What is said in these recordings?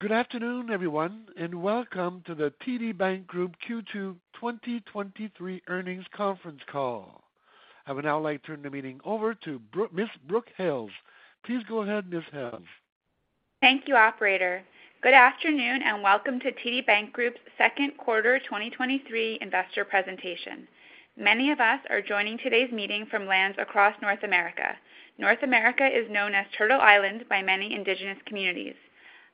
Good afternoon, everyone, and welcome to the TD Bank Group Q2 2023 earnings conference call. I would now like to turn the meeting over to Miss Brooke Hales. Please go ahead, Miss Hales. Thank you, operator. Good afternoon, and welcome to TD Bank Group's second quarter 2023 investor presentation. Many of us are joining today's meeting from lands across North America. North America is known as Turtle Island by many indigenous communities.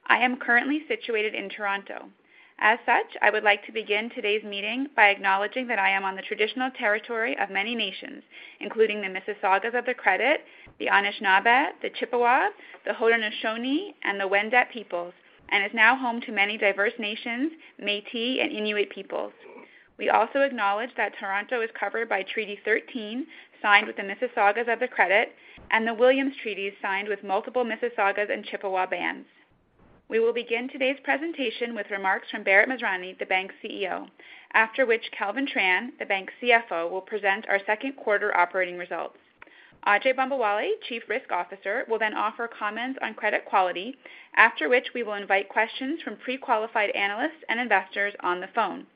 I am currently situated in Toronto. I would like to begin today's meeting by acknowledging that I am on the traditional territory of many nations, including the Mississaugas of the Credit, the Anishinaabe, the Chippewa, the Haudenosaunee, and the Wendat peoples, and is now home to many diverse nations, Métis and Inuit peoples. We also acknowledge that Toronto is covered by Treaty 13, signed with the Mississaugas of the Credit, and the Williams Treaties, signed with multiple Mississaugas and Chippewa bands. We will begin today's presentation with remarks from Bharat Masrani, the bank's CEO, after which Kelvin Tran, the bank's CFO, will present our second quarter operating results. Ajai Bambawale, Chief Risk Officer, will then offer comments on credit quality, after which we will invite questions from pre-qualified analysts and investors on the phone.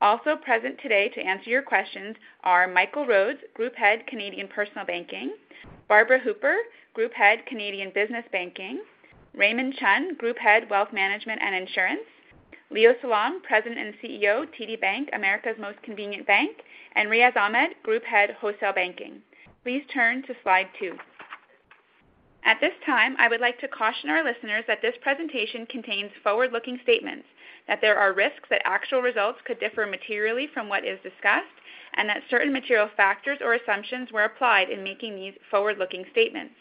Also present today to answer your questions are Michael Rhodes, Group Head, Canadian Personal Banking; Barbara Hooper, Group Head, Canadian Business Banking; Raymond Chun, Group Head, Wealth Management and Insurance; Leo Salom, President and CEO, TD Bank, America's Most Convenient Bank; and Riaz Ahmed, Group Head, Wholesale Banking. Please turn to slide two. At this time, I would like to caution our listeners that this presentation contains forward-looking statements, that there are risks that actual results could differ materially from what is discussed, and that certain material factors or assumptions were applied in making these forward-looking statements.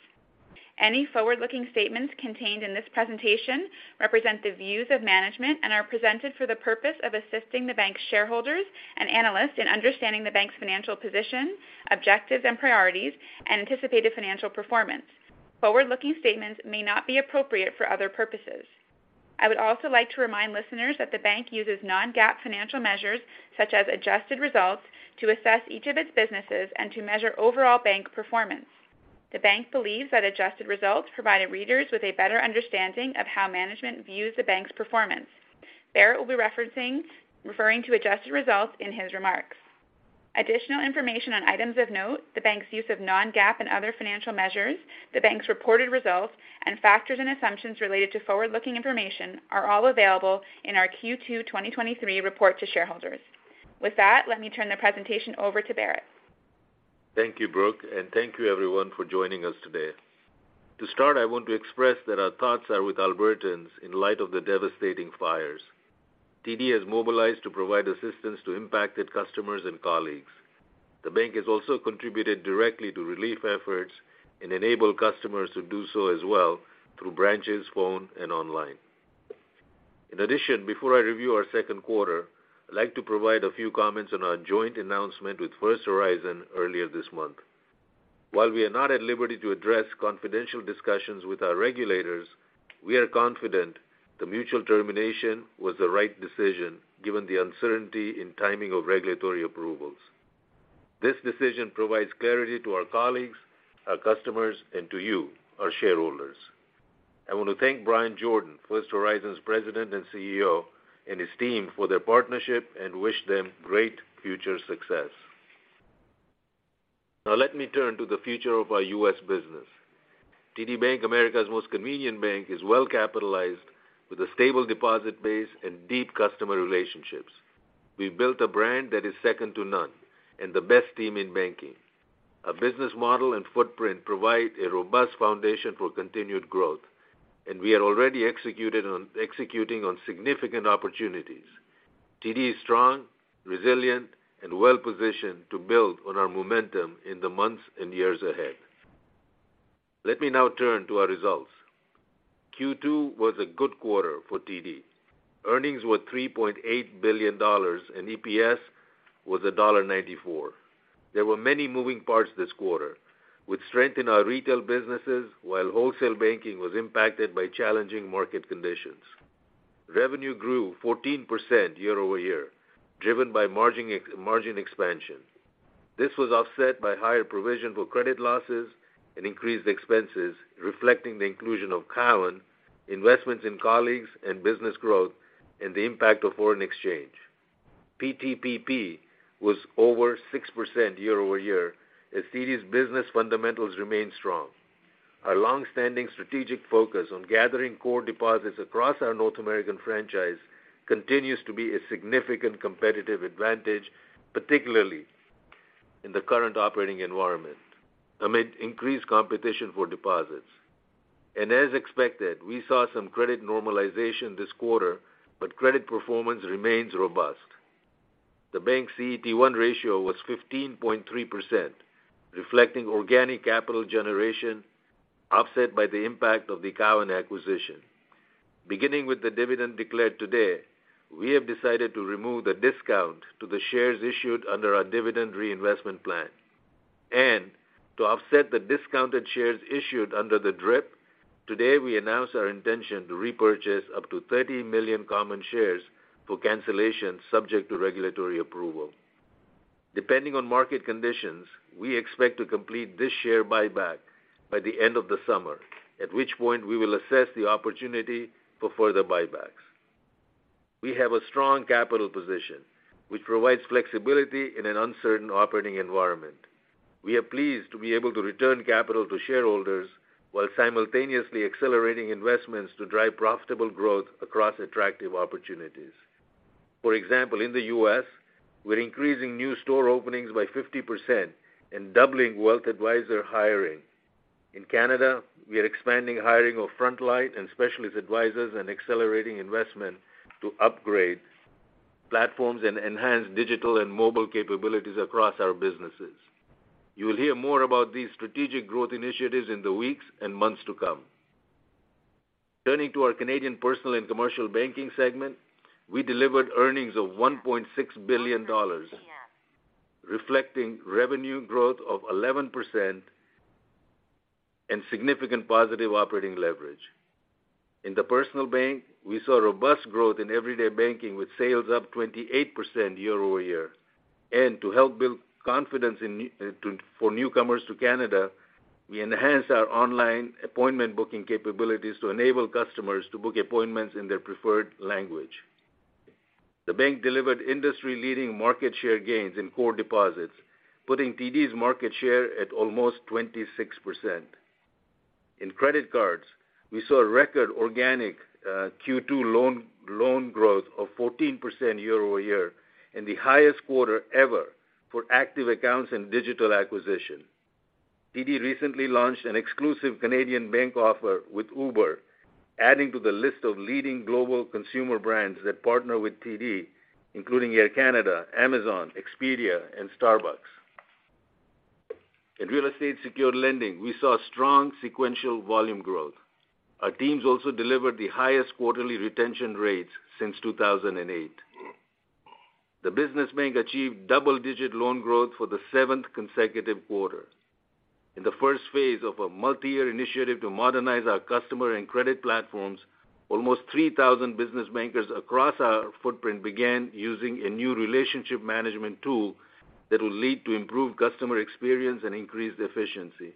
Any forward-looking statements contained in this presentation represent the views of management and are presented for the purpose of assisting the bank's shareholders and analysts in understanding the bank's financial position, objectives and priorities, and anticipated financial performance. Forward-looking statements may not be appropriate for other purposes. I would also like to remind listeners that the bank uses non-GAAP financial measures, such as adjusted results, to assess each of its businesses and to measure overall bank performance. The bank believes that adjusted results provided readers with a better understanding of how management views the bank's performance. Bharat will be referring to adjusted results in his remarks. Additional information on items of note, the bank's use of non-GAAP and other financial measures, the bank's reported results, and factors and assumptions related to forward-looking information are all available in our Q2 2023 report to shareholders. With that, let me turn the presentation over to Bharat. Thank you, Brooke, and thank you everyone for joining us today. To start, I want to express that our thoughts are with Albertans in light of the devastating fires. TD has mobilized to provide assistance to impacted customers and colleagues. The bank has also contributed directly to relief efforts and enabled customers to do so as well through branches, phone, and online. In addition, before I review our second quarter, I'd like to provide a few comments on our joint announcement with First Horizon earlier this month. While we are not at liberty to address confidential discussions with our regulators, we are confident the mutual termination was the right decision, given the uncertainty in timing of regulatory approvals. This decision provides clarity to our colleagues, our customers, and to you, our shareholders. I want to thank Bryan Jordan, First Horizon's President and CEO, and his team for their partnership and wish them great future success. Let me turn to the future of our U.S. business. TD Bank, America's Most Convenient Bank, is well capitalized with a stable deposit base and deep customer relationships. We've built a brand that is second to none and the best team in banking. Our business model and footprint provide a robust foundation for continued growth, and we are already executing on significant opportunities. TD is strong, resilient, and well-positioned to build on our momentum in the months and years ahead. Let me now turn to our results. Q2 was a good quarter for TD. Earnings were 3.8 billion dollars, and EPS was dollar 1.94. There were many moving parts this quarter, with strength in our retail businesses, while wholesale banking was impacted by challenging market conditions. Revenue grew 14% year-over-year, driven by margin expansion. This was offset by higher provision for credit losses and increased expenses, reflecting the inclusion of Cowen, investments in colleagues and business growth, and the impact of foreign exchange. PTPP was over 6% year-over-year, as TD's business fundamentals remain strong. Our long-standing strategic focus on gathering core deposits across our North American franchise continues to be a significant competitive advantage, particularly in the current operating environment, amid increased competition for deposits. As expected, we saw some credit normalization this quarter, but credit performance remains robust. The bank's CET1 ratio was 15.3%, reflecting organic capital generation, offset by the impact of the Cowen acquisition. Beginning with the dividend declared today, we have decided to remove the discount to the shares issued under our dividend reinvestment plan. To offset the discounted shares issued under the DRIP, today, we announce our intention to repurchase up to 30 million CAD common shares for cancellation, subject to regulatory approval. Depending on market conditions, we expect to complete this share buyback by the end of the summer, at which point we will assess the opportunity for further buybacks. We have a strong capital position, which provides flexibility in an uncertain operating environment. We are pleased to be able to return capital to shareholders while simultaneously accelerating investments to drive profitable growth across attractive opportunities. For example, in the U.S., we're increasing new store openings by 50% and doubling wealth advisor hiring. In Canada, we are expanding hiring of front-line and specialist advisors and accelerating investment to upgrade platforms and enhance digital and mobile capabilities across our businesses. You will hear more about these strategic growth initiatives in the weeks and months to come. Turning to our Canadian Personal and Commercial Banking segment, we delivered earnings of 1.6 billion dollars, reflecting revenue growth of 11% and significant positive operating leverage. In the personal bank, we saw robust growth in everyday banking, with sales up 28% year-over-year. To help build confidence in for newcomers to Canada, we enhanced our online appointment booking capabilities to enable customers to book appointments in their preferred language. The bank delivered industry-leading market share gains in core deposits, putting TD's market share at almost 26%. In credit cards, we saw a record organic Q2 loan growth of 14% year-over-year, and the highest quarter ever for active accounts and digital acquisition. TD recently launched an exclusive Canadian bank offer with Uber, adding to the list of leading global consumer brands that partner with TD, including Air Canada, Amazon, Expedia, and Starbucks. In real estate-secured lending, we saw strong sequential volume growth. Our teams also delivered the highest quarterly retention rates since 2008. The business bank achieved double-digit loan growth for the seventh consecutive quarter. In the first phase of a multi-year initiative to modernize our customer and credit platforms, almost 3,000 business bankers across our footprint began using a new relationship management tool that will lead to improved customer experience and increased efficiency.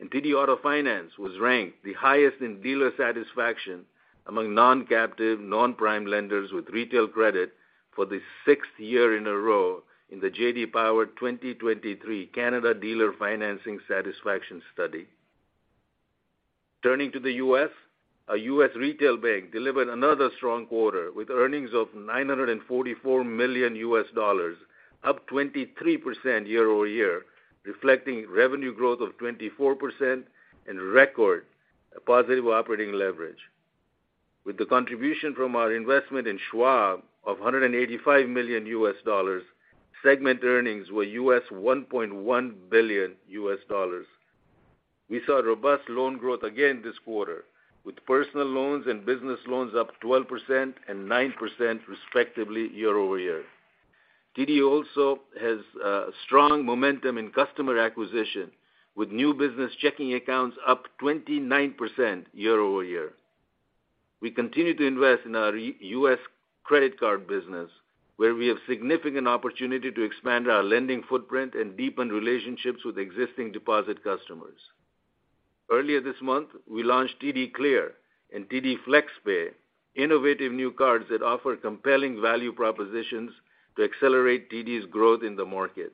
TD Auto Finance was ranked the highest in dealer satisfaction among non-captive, non-prime lenders with retail credit for the sixth year in a row in the J.D. Power 2023 Canada Dealer Financing Satisfaction Study. Turning to the U.S., our U.S. Retail Bank delivered another strong quarter, with earnings of $944 million, up 23% year-over-year, reflecting revenue growth of 24% and record positive operating leverage. With the contribution from our investment in Schwab of $185 million, segment earnings were $1.1 billion. We saw robust loan growth again this quarter, with personal loans and business loans up 12% and 9% respectively, year-over-year. TD also has strong momentum in customer acquisition, with new business checking accounts up 29% year-over-year. We continue to invest in our U.S. credit card business, where we have significant opportunity to expand our lending footprint and deepen relationships with existing deposit customers. Earlier this month, we launched TD Clear and TD FlexPay, innovative new cards that offer compelling value propositions to accelerate TD's growth in the market.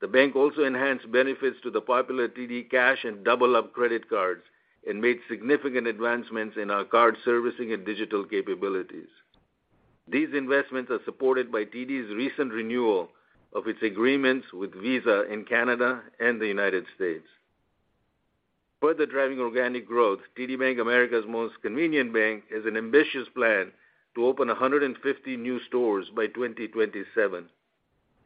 The bank also enhanced benefits to the popular TD Cash and Double Up credit cards and made significant advancements in our card servicing and digital capabilities. These investments are supported by TD's recent renewal of its agreements with Visa in Canada and the United States. Driving organic growth, TD Bank, America's Most Convenient Bank, is an ambitious plan to open 150 new stores by 2027.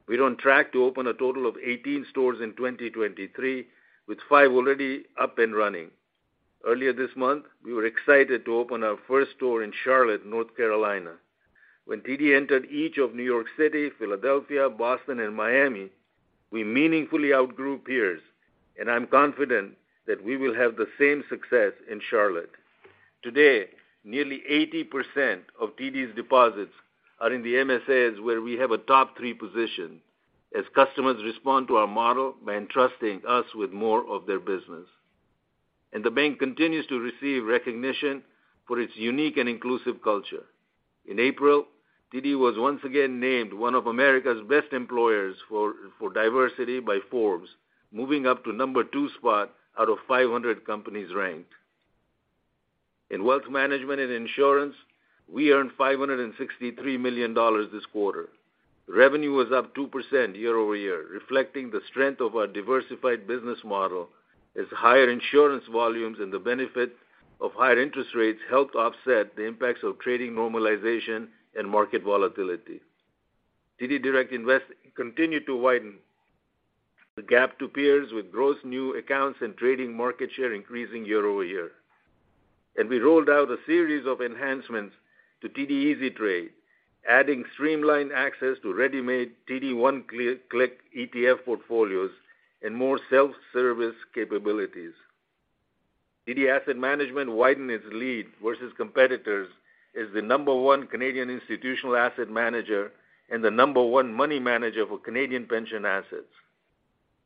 We're on track to open a total of 18 stores in 2023, with five already up and running. Earlier this month, we were excited to open our first store in Charlotte, North Carolina. When TD entered each of New York City, Philadelphia, Boston, and Miami, we meaningfully outgrew peers, I'm confident that we will have the same success in Charlotte. Today, nearly 80% of TD's deposits are in the MSAs, where we have a top three position, as customers respond to our model by entrusting us with more of their business. The bank continues to receive recognition for its unique and inclusive culture. In April, TD was once again named one of America's best employers for diversity by Forbes, moving up to number two spot out of 500 companies ranked. In Wealth Management and Insurance, we earned 563 million dollars this quarter. Revenue was up 2% year-over-year, reflecting the strength of our diversified business model, as higher insurance volumes and the benefit of higher interest rates helped offset the impacts of trading normalization and market volatility. TD Direct Investing continued to widen the gap to peers with gross new accounts and trading market share increasing year-over-year. We rolled out a series of enhancements to TD Easy Trade, adding streamlined access to ready-made TD One-Click ETF portfolios and more self-service capabilities. TD Asset Management widened its lead versus competitors as the number one Canadian institutional asset manager and the number one money manager for Canadian pension assets.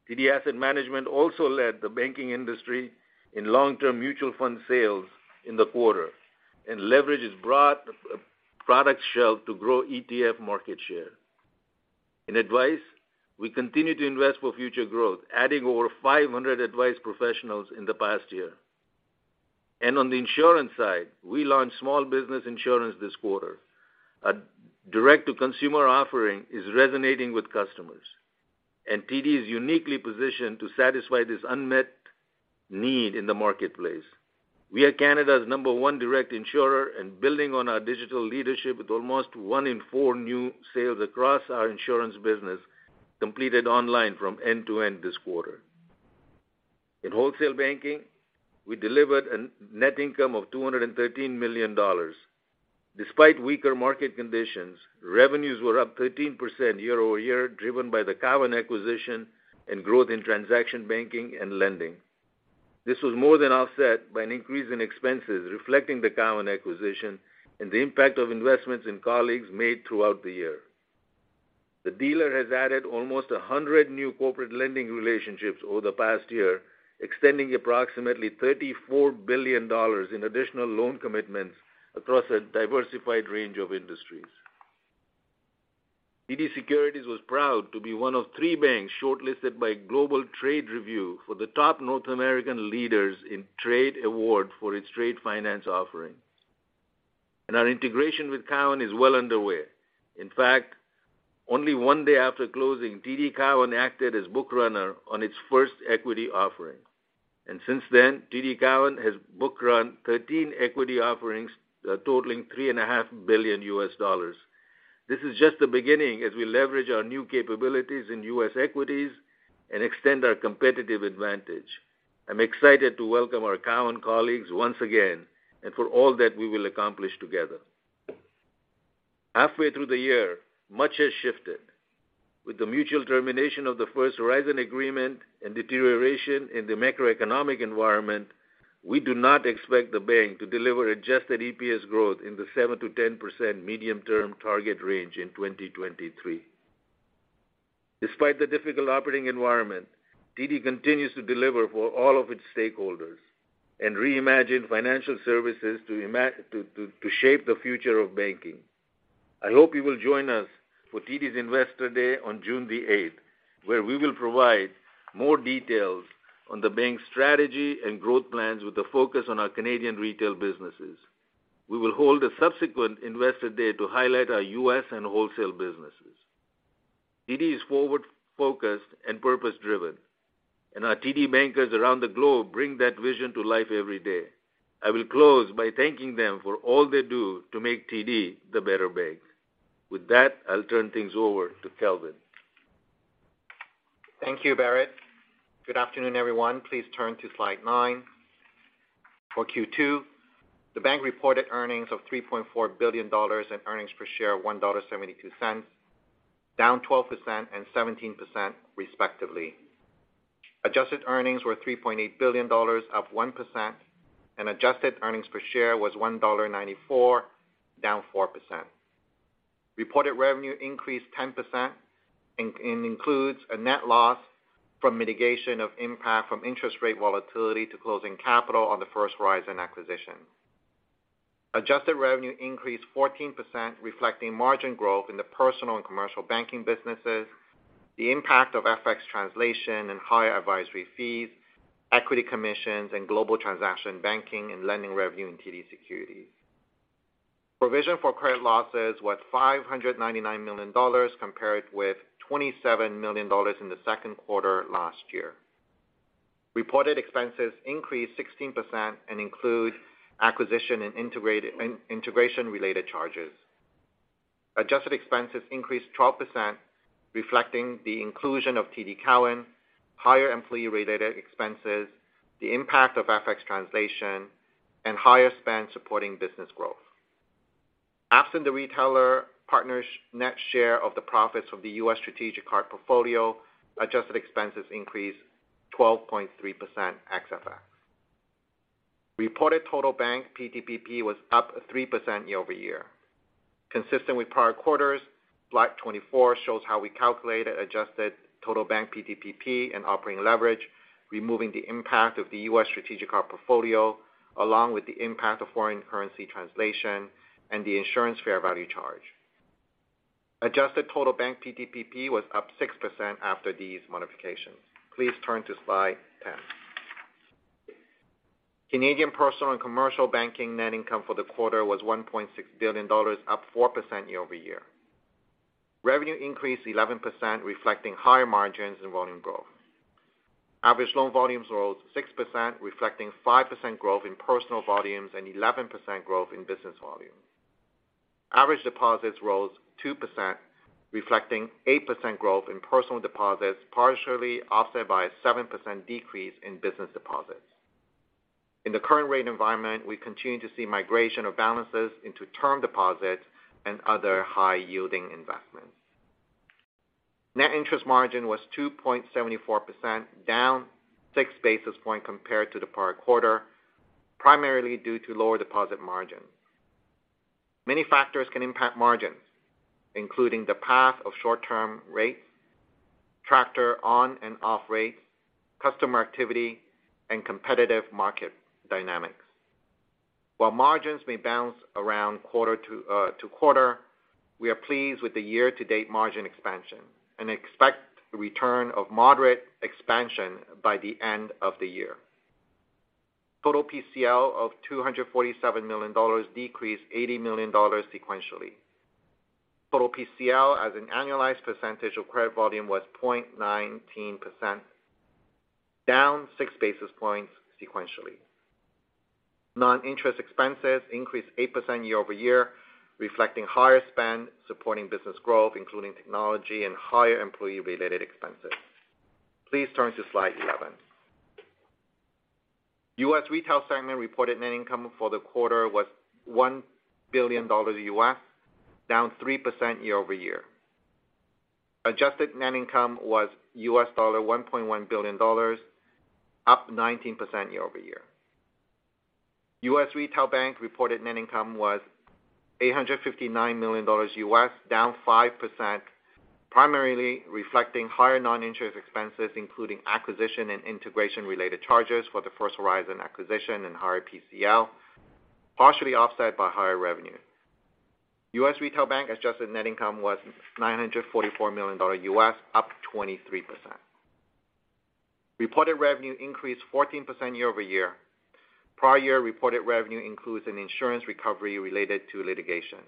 TD Asset Management also led the banking industry in long-term mutual fund sales in the quarter, and leverages broad product shelf to grow ETF market share. In advice, we continue to invest for future growth, adding over 500 advice professionals in the past year. On the insurance side, we launched small business insurance this quarter. A direct-to-consumer offering is resonating with customers, and TD is uniquely positioned to satisfy this unmet need in the marketplace. We are Canada's number one direct insurer, and building on our digital leadership with almost one in four new sales across our insurance business, completed online from end-to-end this quarter. In Wholesale Banking, we delivered a net income of 213 million dollars. Despite weaker market conditions, revenues were up 13% year-over-year, driven by the Cowen acquisition and growth in transaction banking and lending. This was more than offset by an increase in expenses, reflecting the Cowen acquisition and the impact of investments in colleagues made throughout the year. The dealer has added almost 100 new corporate lending relationships over the past year, extending approximately $34 billion in additional loan commitments across a diversified range of industries. TD Securities was proud to be one of three banks shortlisted by Global Trade Review for the top North American leaders in trade award for its trade finance offerings. Our integration with Cowen is well underway. In fact, only one day after closing, TD Cowen acted as book runner on its first equity offering. Since then, TD Cowen has book run 13 equity offerings, totaling $3.5 billion US dollars. This is just the beginning as we leverage our new capabilities in U.S. equities and extend our competitive advantage. I'm excited to welcome our Cowen colleagues once again, for all that we will accomplish together. Halfway through the year, much has shifted. With the mutual termination of the First Horizon agreement and deterioration in the macroeconomic environment, we do not expect the bank to deliver adjusted EPS growth in the 7%-10% medium-term target range in 2023. Despite the difficult operating environment, TD continues to deliver for all of its stakeholders and reimagine financial services to shape the future of banking. I hope you will join us for TD's Investor Day on June 8, where we will provide more details on the bank's strategy and growth plans with a focus on our Canadian retail businesses. We will hold a subsequent Investor Day to highlight our U.S. and wholesale businesses. TD is forward-focused and purpose-driven, and our TD bankers around the globe bring that vision to life every day. I will close by thanking them for all they do to make TD the better bank. With that, I'll turn things over to Kelvin. Thank you, Bharat. Good afternoon, everyone. Please turn to slide 9. For Q2, the bank reported earnings of 3.4 billion dollars and earnings per share of 1.72, down 12% and 17% respectively. Adjusted earnings were 3.8 billion dollars, up 1%, and adjusted earnings per share was 1.94 dollar, down 4%. Reported revenue increased 10% and includes a net loss from mitigation of impact from interest rate volatility to closing capital on the First Horizon acquisition. Adjusted revenue increased 14%, reflecting margin growth in the personal and commercial banking businesses, the impact of FX translation and higher advisory fees, equity commissions, and global transaction banking and lending revenue in TD Securities. Provision for credit losses was 599 million dollars, compared with 27 million dollars in the second quarter last year. Reported expenses increased 16% and include acquisition and integration-related charges. Adjusted expenses increased 12%, reflecting the inclusion of TD Cowen, higher employee-related expenses, the impact of FX translation, and higher spend supporting business growth. Absent the retailer partners net share of the profits of the U.S. strategic card portfolio, adjusted expenses increased 12.3% ex FX. Reported total bank PTPP was up 3% year-over-year. Consistent with prior quarters, slide 24 shows how we calculate adjusted total bank PTPP and operating leverage, removing the impact of the U.S. strategic card portfolio, along with the impact of foreign currency translation and the insurance fair value charge. Adjusted total bank PTPP was up 6% after these modifications. Please turn to slide 10. Canadian Personal and Commercial Banking net income for the quarter was 1.6 billion dollars, up 4% year-over-year. Revenue increased 11%, reflecting higher margins and volume growth. Average loan volumes rose 6%, reflecting 5% growth in personal volumes and 11% growth in business volumes. Average deposits rose 2%, reflecting 8% growth in personal deposits, partially offset by a 7% decrease in business deposits. In the current rate environment, we continue to see migration of balances into term deposits and other high-yielding investments.... net interest margin was 2.74%, down 6 basis points compared to the prior quarter, primarily due to lower deposit margins. Many factors can impact margins, including the path of short-term rates, tracker on and off rates, customer activity, and competitive market dynamics. While margins may bounce around quarter to quarter, we are pleased with the year-to-date margin expansion and expect a return of moderate expansion by the end of the year. Total PCL of $247 million decreased $80 million sequentially. Total PCL as an annualized percentage of credit volume was 0.19%, down 6 basis points sequentially. Non-interest expenses increased 8% year-over-year, reflecting higher spend, supporting business growth, including technology and higher employee-related expenses. Please turn to slide 11. U.S. Retail segment reported net income for the quarter was $1 billion, down 3% year-over-year. Adjusted net income was $1.1 billion, up 19% year-over-year. U.S. Retail Bank reported net income was $859 million, down 5%, primarily reflecting higher non-interest expenses, including acquisition and integration-related charges for the First Horizon acquisition and higher PCL, partially offset by higher revenue. U.S. Retail Bank adjusted net income was $944 million, up 23%. Reported revenue increased 14% year-over-year. Prior year reported revenue includes an insurance recovery related to litigation.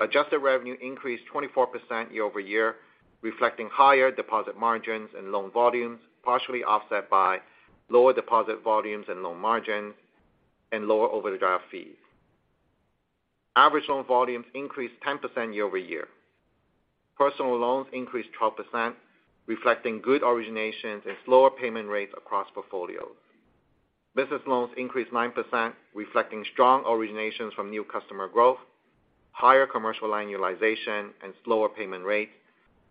Adjusted revenue increased 24% year-over-year, reflecting higher deposit margins and loan volumes, partially offset by lower deposit volumes and loan margins, and lower overdraft fees. Average loan volumes increased 10% year-over-year. Personal loans increased 12%, reflecting good originations and slower payment rates across portfolios. Business loans increased 9%, reflecting strong originations from new customer growth, higher commercial line utilization and slower payment rates,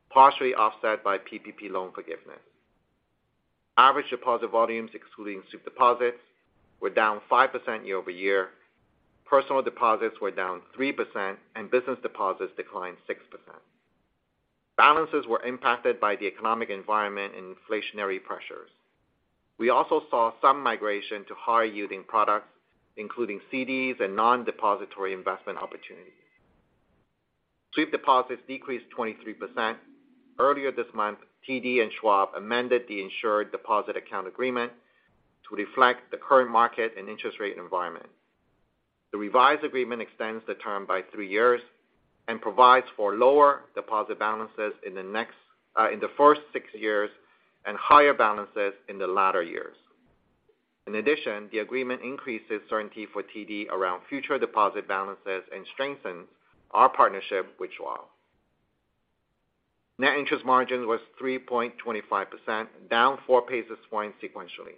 partially offset by PPP loan forgiveness. Average deposit volumes, excluding sweep deposits, were down 5% year-over-year. Personal deposits were down 3%. Business deposits declined 6%. Balances were impacted by the economic environment and inflationary pressures. We also saw some migration to higher-yielding products, including CDs and non-depository investment opportunities. Sweep deposits decreased 23%. Earlier this month, TD and Schwab amended the Insured Deposit Account Agreement to reflect the current market and interest rate environment. The revised agreement extends the term by 3 years and provides for lower deposit balances in the first 6 years and higher balances in the latter years. The agreement increases certainty for TD around future deposit balances and strengthens our partnership with Schwab. Net interest margin was 3.25%, down 4 basis points sequentially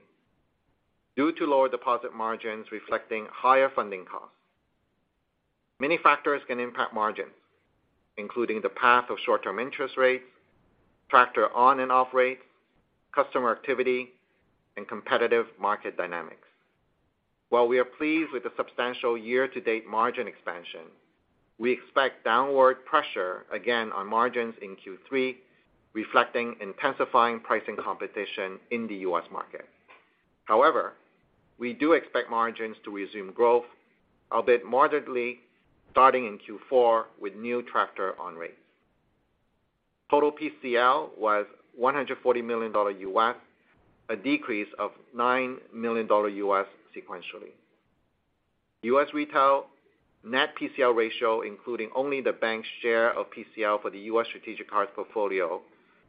due to lower deposit margins reflecting higher funding costs. Many factors can impact margins, including the path of short-term interest rates, tracker on and off rates, customer activity, and competitive market dynamics. While we are pleased with the substantial year-to-date margin expansion, we expect downward pressure again on margins in Q3, reflecting intensifying pricing competition in the U.S. market. However, we do expect margins to resume growth, albeit moderately, starting in Q4 with new tracker on rates. Total PCL was $140 million, a decrease of $9 million sequentially. U.S. Retail net PCL ratio, including only the bank's share of PCL for the U.S. strategic cards portfolio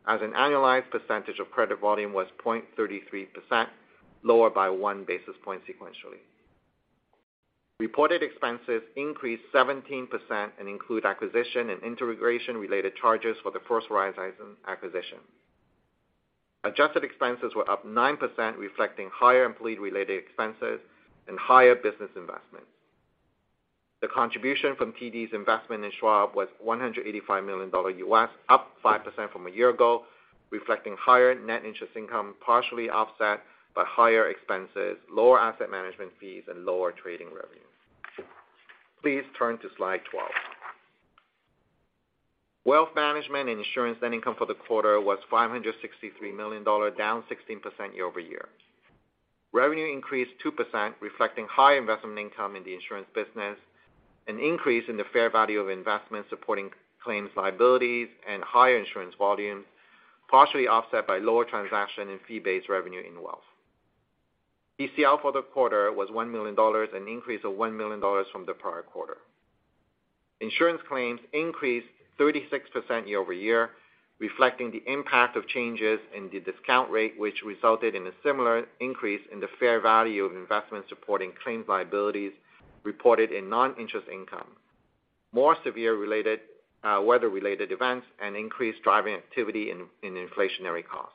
as an annualized percentage of credit volume, was 0.33%, lower by 1 basis point sequentially. Reported expenses increased 17% and include acquisition and integration-related charges for the First Horizon acquisition. Adjusted expenses were up 9%, reflecting higher employee-related expenses and higher business investments. The contribution from TD's investment in Schwab was $185 million, up 5% from a year ago, reflecting higher net interest income, partially offset by higher expenses, lower asset management fees, and lower trading revenues. Please turn to slide 12. Wealth Management and Insurance net income for the quarter was $563 million, down 16% year-over-year. Revenue increased 2%, reflecting higher investment income in the insurance business, an increase in the fair value of investments supporting claims liabilities, and higher insurance volumes, partially offset by lower transaction and fee-based revenue in Wealth. PCL for the quarter was 1 million dollars, an increase of 1 million dollars from the prior quarter. Insurance claims increased 36% year-over-year, reflecting the impact of changes in the discount rate, which resulted in a similar increase in the fair value of investments supporting claims liabilities reported in non-interest income, more severe weather-related events and increased driving activity in inflationary costs.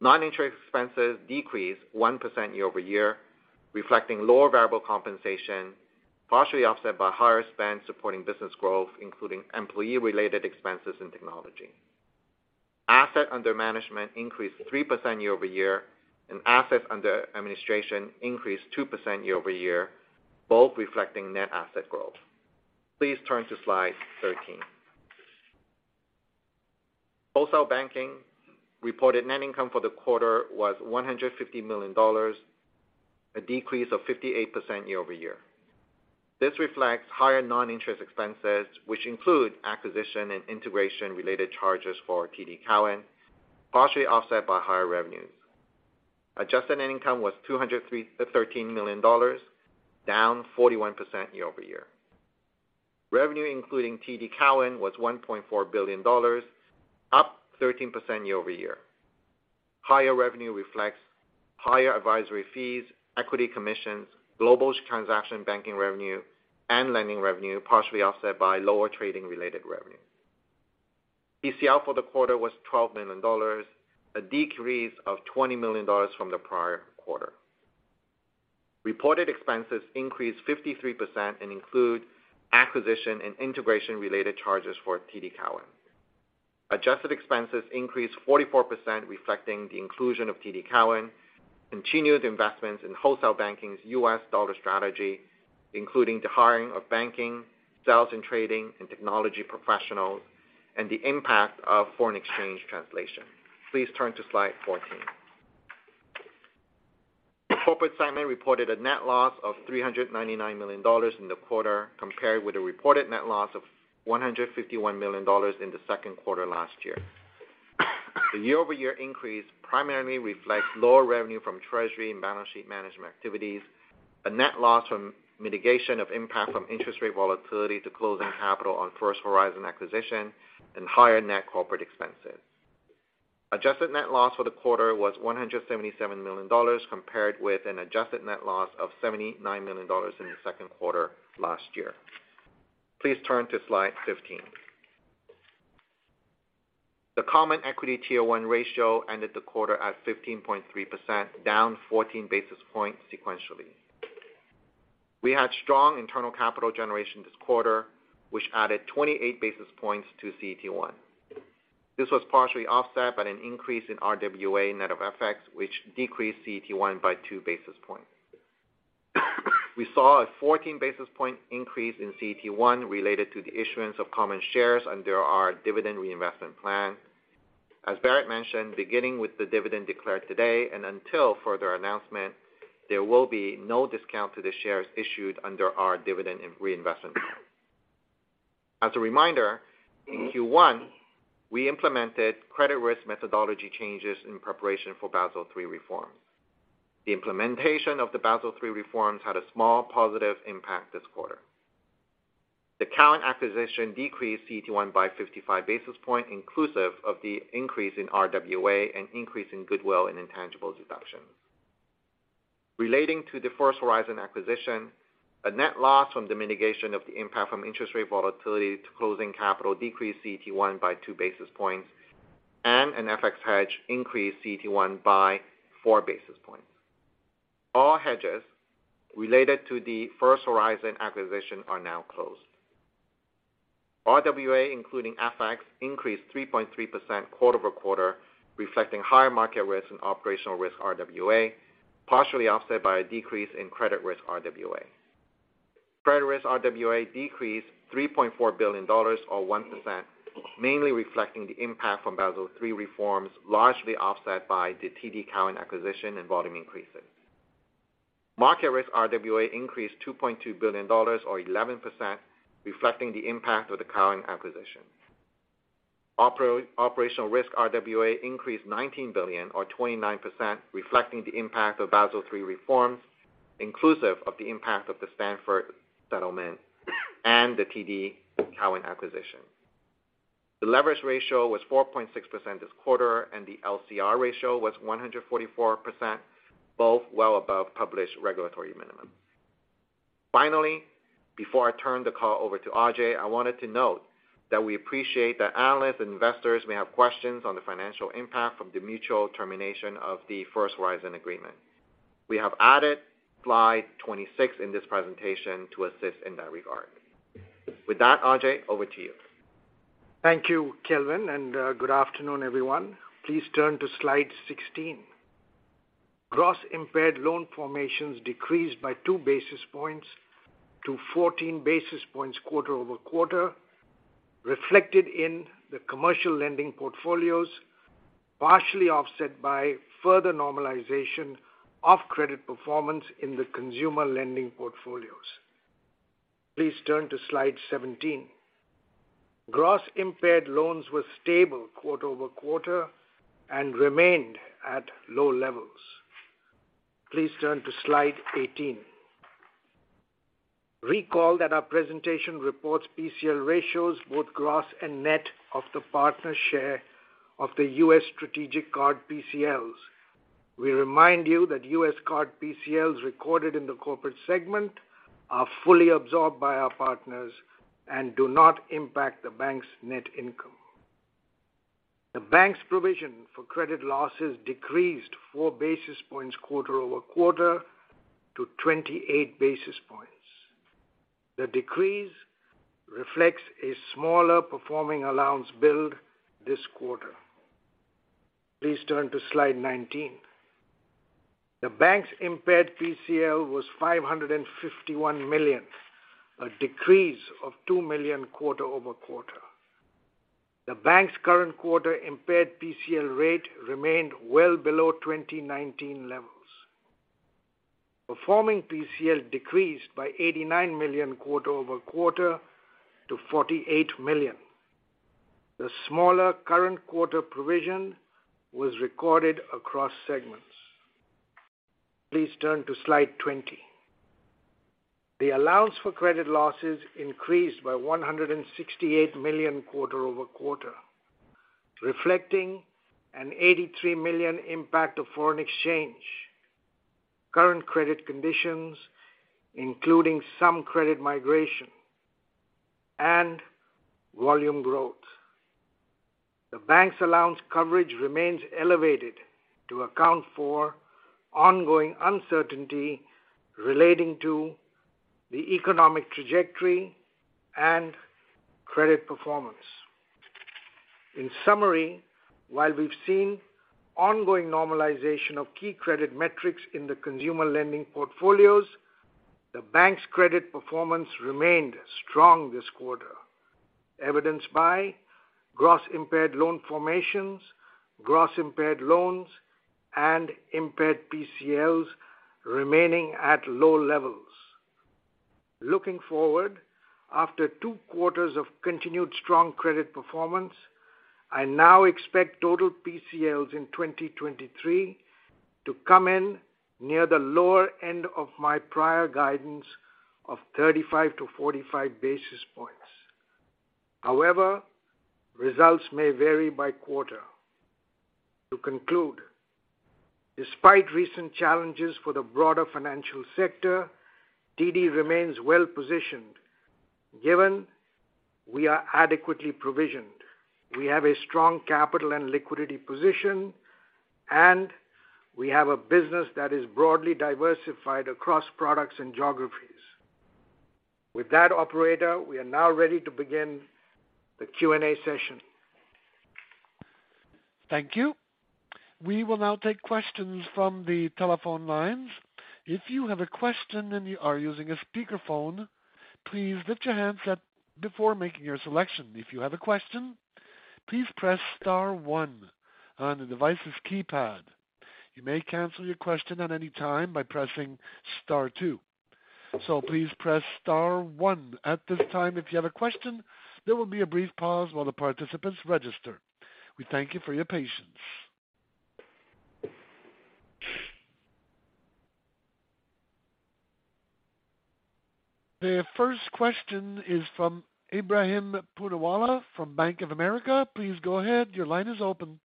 Non-interest expenses decreased 1% year-over-year, reflecting lower variable compensation, partially offset by higher spend supporting business growth, including employee-related expenses and technology. Asset under management increased 3% year-over-year, assets under administration increased 2% year-over-year, both reflecting net asset growth. Please turn to slide 13. Wholesale banking reported net income for the quarter was 150 million dollars, a decrease of 58% year-over-year. This reflects higher non-interest expenses, which include acquisition and integration-related charges for TD Cowen, partially offset by higher revenues. Adjusted net income was 213 million dollars, down 41% year-over-year. Revenue, including TD Cowen, was 1.4 billion dollars, up 13% year-over-year. Higher revenue reflects higher advisory fees, equity commissions, global transaction banking revenue, and lending revenue, partially offset by lower trading-related revenue. ECL for the quarter was 12 million dollars, a decrease of 20 million dollars from the prior quarter. Reported expenses increased 53% and include acquisition and integration-related charges for TD Cowen. Adjusted expenses increased 44%, reflecting the inclusion of TD Cowen, continued investments in Wholesale Banking's US dollar strategy, including the hiring of banking, sales and trading, and technology professionals, and the impact of foreign exchange translation. Please turn to slide 14. Corporate segment reported a net loss of 399 million dollars in the quarter, compared with a reported net loss of 151 million dollars in the second quarter last year. The year-over-year increase primarily reflects lower revenue from treasury and balance sheet management activities, a net loss from mitigation of impact from interest rate volatility to closing capital on First Horizon acquisition, and higher net corporate expenses. Adjusted net loss for the quarter was 177 million dollars, compared with an adjusted net loss of 79 million dollars in the second quarter last year. Please turn to slide 15. The common equity tier one ratio ended the quarter at 15.3%, down 14 basis points sequentially. We had strong internal capital generation this quarter, which added 28 basis points to CET1. This was partially offset by an increase in RWA net of FX, which decreased CET1 by 2 basis points. We saw a 14 basis point increase in CET1 related to the issuance of common shares under our dividend reinvestment plan. As Bharat mentioned, beginning with the dividend declared today and until further announcement, there will be no discount to the shares issued under our dividend reinvestment plan. As a reminder, in Q1, we implemented credit risk methodology changes in preparation for Basel III reforms. The implementation of the Basel III reforms had a small positive impact this quarter. The Cowen acquisition decreased CET1 by 55 basis point, inclusive of the increase in RWA and increase in goodwill and intangibles deductions. Relating to the First Horizon acquisition, a net loss from the mitigation of the impact from interest rate volatility to closing capital decreased CET1 by 2 basis points, and an FX hedge increased CET1 by 4 basis points. All hedges related to the First Horizon acquisition are now closed. RWA, including FX, increased 3.3% quarter-over-quarter, reflecting higher market risk and operational risk RWA, partially offset by a decrease in credit risk RWA. Credit risk RWA decreased 3.4 billion dollars, or 1%, mainly reflecting the impact from Basel III reforms, largely offset by the TD Cowen acquisition and volume increases. Market risk RWA increased 2.2 billion dollars, or 11%, reflecting the impact of the Cowen acquisition. Operational risk RWA increased 19 billion, or 29%, reflecting the impact of Basel III reforms, inclusive of the impact of the Stanford settlement and the TD Cowen acquisition. The leverage ratio was 4.6% this quarter, and the LCR ratio was 144%, both well above published regulatory minimum. Before I turn the call over to Ajai, I wanted to note that we appreciate that analysts and investors may have questions on the financial impact from the mutual termination of the First Horizon agreement. We have added slide 26 in this presentation to assist in that regard. With that, Ajai, over to you. Thank you, Kelvin. Good afternoon, everyone. Please turn to slide 16. Gross impaired loan formations decreased by 2 basis points to 14 basis points quarter-over-quarter, reflected in the commercial lending portfolios, partially offset by further normalization of credit performance in the consumer lending portfolios. Please turn to slide 17. Gross impaired loans were stable quarter-over-quarter and remained at low levels. Please turn to slide 18. Recall that our presentation reports PCL ratios, both gross and net, of the partner share of the U.S. strategic card PCLs. We remind you that U.S. card PCLs recorded in the corporate segment are fully absorbed by our partners and do not impact the bank's net income. The bank's provision for credit losses decreased 4 basis points quarter-over-quarter to 28 basis points. The decrease reflects a smaller performing allowance build this quarter. Please turn to slide 19. The bank's impaired PCL was 551 million, a decrease of 2 million quarter-over-quarter. The bank's current quarter impaired PCL rate remained well below 2019 levels. Performing PCL decreased by 89 million quarter-over-quarter to 48 million. The smaller current quarter provision was recorded across segments. Please turn to slide 20. The allowance for credit losses increased by 168 million quarter-over-quarter, reflecting an 83 million impact of foreign exchange, current credit conditions, including some credit migration and volume growth. The bank's allowance coverage remains elevated to account for ongoing uncertainty relating to the economic trajectory and credit performance. In summary, while we've seen ongoing normalization of key credit metrics in the consumer lending portfolios, the bank's credit performance remained strong this quarter, evidenced by gross impaired loan formations, gross impaired loans, and impaired PCLs remaining at low levels. Looking forward, after two quarters of continued strong credit performance, I now expect total PCLs in 2023 to come in near the lower end of my prior guidance of 35 basis points-45 basis points. However, results may vary by quarter. To conclude, despite recent challenges for the broader financial sector, TD remains well positioned, given we are adequately provisioned, we have a strong capital and liquidity position, and we have a business that is broadly diversified across products and geographies. With that, operator, we are now ready to begin the Q&A session. Thank you. We will now take questions from the telephone lines. If you have a question and you are using a speakerphone, please lift your handset before making your selection. If you have a question, please press star one on the device's keypad. You may cancel your question at any time by pressing star two. Please press star one at this time if you have a question. There will be a brief pause while the participants register. We thank you for your patience. The first question is from Ebrahim Poonawala from Bank of America. Please go ahead. Your line is open.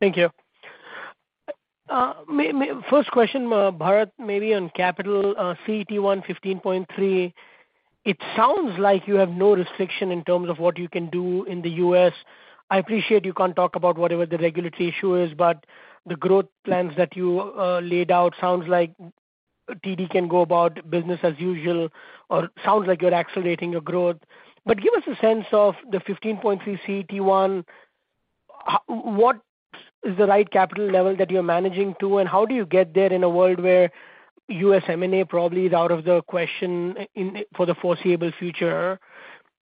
Thank you. First question, Bharat, maybe on capital, CET1 15.3. It sounds like you have no restriction in terms of what you can do in the U.S. I appreciate you can't talk about whatever the regulatory issue is, the growth plans that you laid out sounds like TD can go about business as usual, or sounds like you're accelerating your growth. Give us a sense of the 15.3 CET1. What is the right capital level that you're managing to, and how do you get there in a world where U.S. M&A probably is out of the question for the foreseeable future?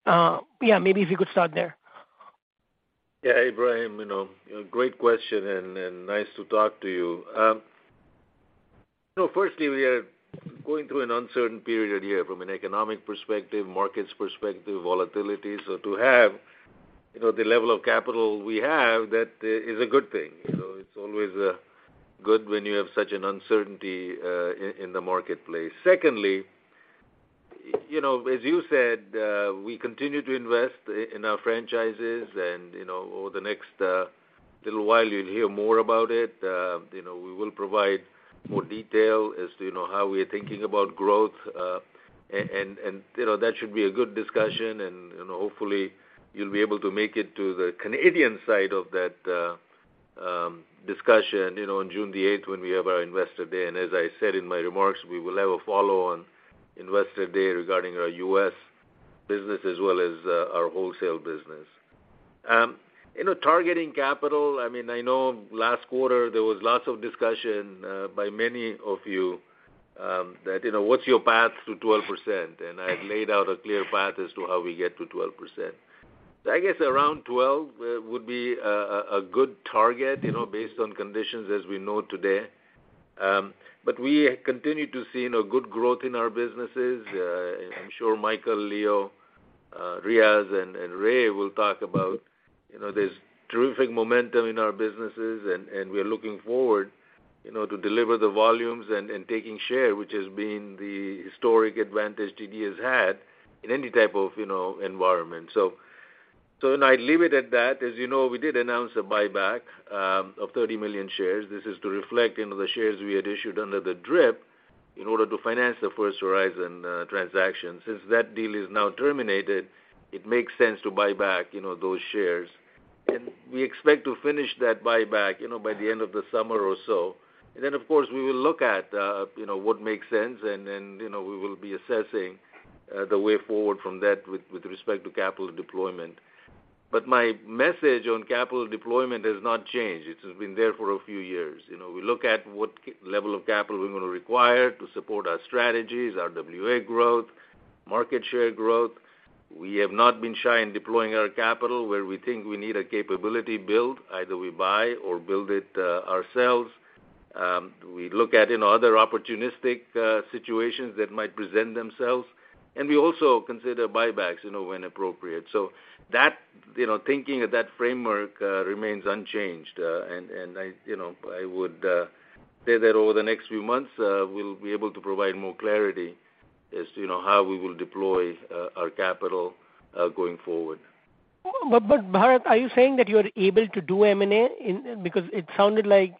Yeah, maybe if you could start there. Abraham, you know, great question and nice to talk to you. Firstly, we are going through an uncertain period here from an economic perspective, markets perspective, volatility. To have, you know, the level of capital we have, that is a good thing. You know, it's always good when you have such an uncertainty in the marketplace. Secondly, you know, as you said, we continue to invest in our franchises and, you know, over the next little while, you'll hear more about it. You know, we will provide more detail as to, you know, how we are thinking about growth. you know, that should be a good discussion and, you know, hopefully you'll be able to make it to the Canadian side of that discussion, you know, on June 8, when we have our Investor Day. As I said in my remarks, we will have a follow-on Investor Day regarding our U.S. business as well as our wholesale business. you know, targeting capital, I mean, I know last quarter there was lots of discussion by many of you that, you know, what's your path to 12%? I've laid out a clear path as to how we get to 12%. I guess around 12 would be a good target, you know, based on conditions as we know today. we continue to see, you know, good growth in our businesses. I'm sure Michael, Leo, Riaz, and Ray will talk about, you know, there's terrific momentum in our businesses, and we are looking forward.... you know, to deliver the volumes and taking share, which has been the historic advantage TD has had in any type of, you know, environment. I'd leave it at that. As you know, we did announce a buyback of 30 million shares. This is to reflect, you know, the shares we had issued under the DRIP in order to finance the First Horizon transaction. Since that deal is now terminated, it makes sense to buy back, you know, those shares. We expect to finish that buyback, you know, by the end of the summer or so. Then, of course, we will look at, you know, what makes sense, then, you know, we will be assessing, the way forward from that with respect to capital deployment. My message on capital deployment has not changed. It has been there for a few years. You know, we look at what level of capital we're going to require to support our strategies, our RWA growth, market share growth. We have not been shy in deploying our capital where we think we need a capability build, either we buy or build it, ourselves. We look at, you know, other opportunistic situations that might present themselves, and we also consider buybacks, you know, when appropriate. That, you know, thinking of that framework, remains unchanged. I, you know, I would say that over the next few months, we'll be able to provide more clarity as to, you know, how we will deploy our capital going forward. Bharat, are you saying that you are able to do M&A because it sounded like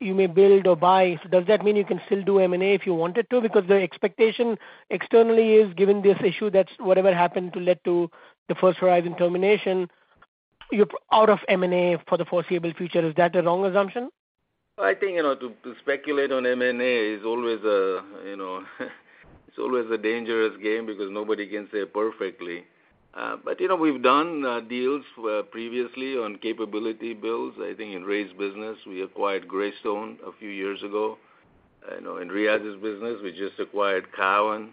you may build or buy? Does that mean you can still do M&A if you wanted to? The expectation externally is, given this issue, that's whatever happened to lead to the First Horizon termination, you're out of M&A for the foreseeable future. Is that a wrong assumption? I think, you know, to speculate on M&A is always a, you know, it's always a dangerous game because nobody can say it perfectly. But, you know, we've done deals previously on capability builds. I think in Ray's business, we acquired Greystone a few years ago. You know, in Riaz's business, we just acquired Cowen.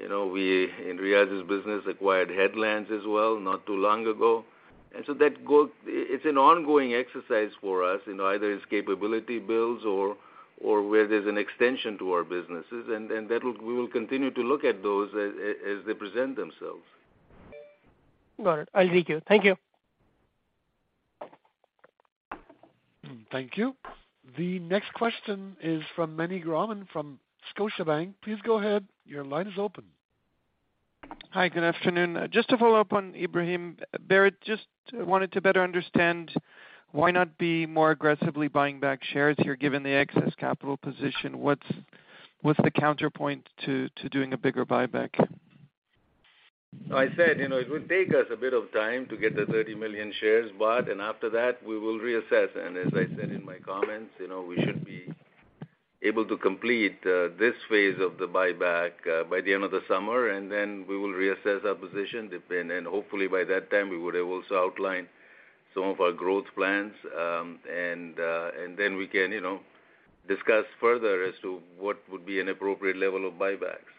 You know, we, in Riaz's business, acquired Headlands as well, not too long ago. It's an ongoing exercise for us, you know, either it's capability builds or where there's an extension to our businesses, and that we will continue to look at those as they present themselves. Got it. I'll thank you. Thank you. Thank you. The next question is from Meny Grauman, from Scotiabank. Please go ahead. Your line is open. Hi, good afternoon. Just to follow up on Ebrahim, Bharat, just wanted to better understand, why not be more aggressively buying back shares here, given the excess capital position? What's the counterpoint to doing a bigger buyback? I said, you know, it would take us a bit of time to get the 30 million shares, but after that, we will reassess. As I said in my comments, you know, we should be able to complete this phase of the buyback by the end of the summer, and then we will reassess our position, hopefully by that time, we would have also outlined some of our growth plans. Then we can, you know, discuss further as to what would be an appropriate level of buybacks.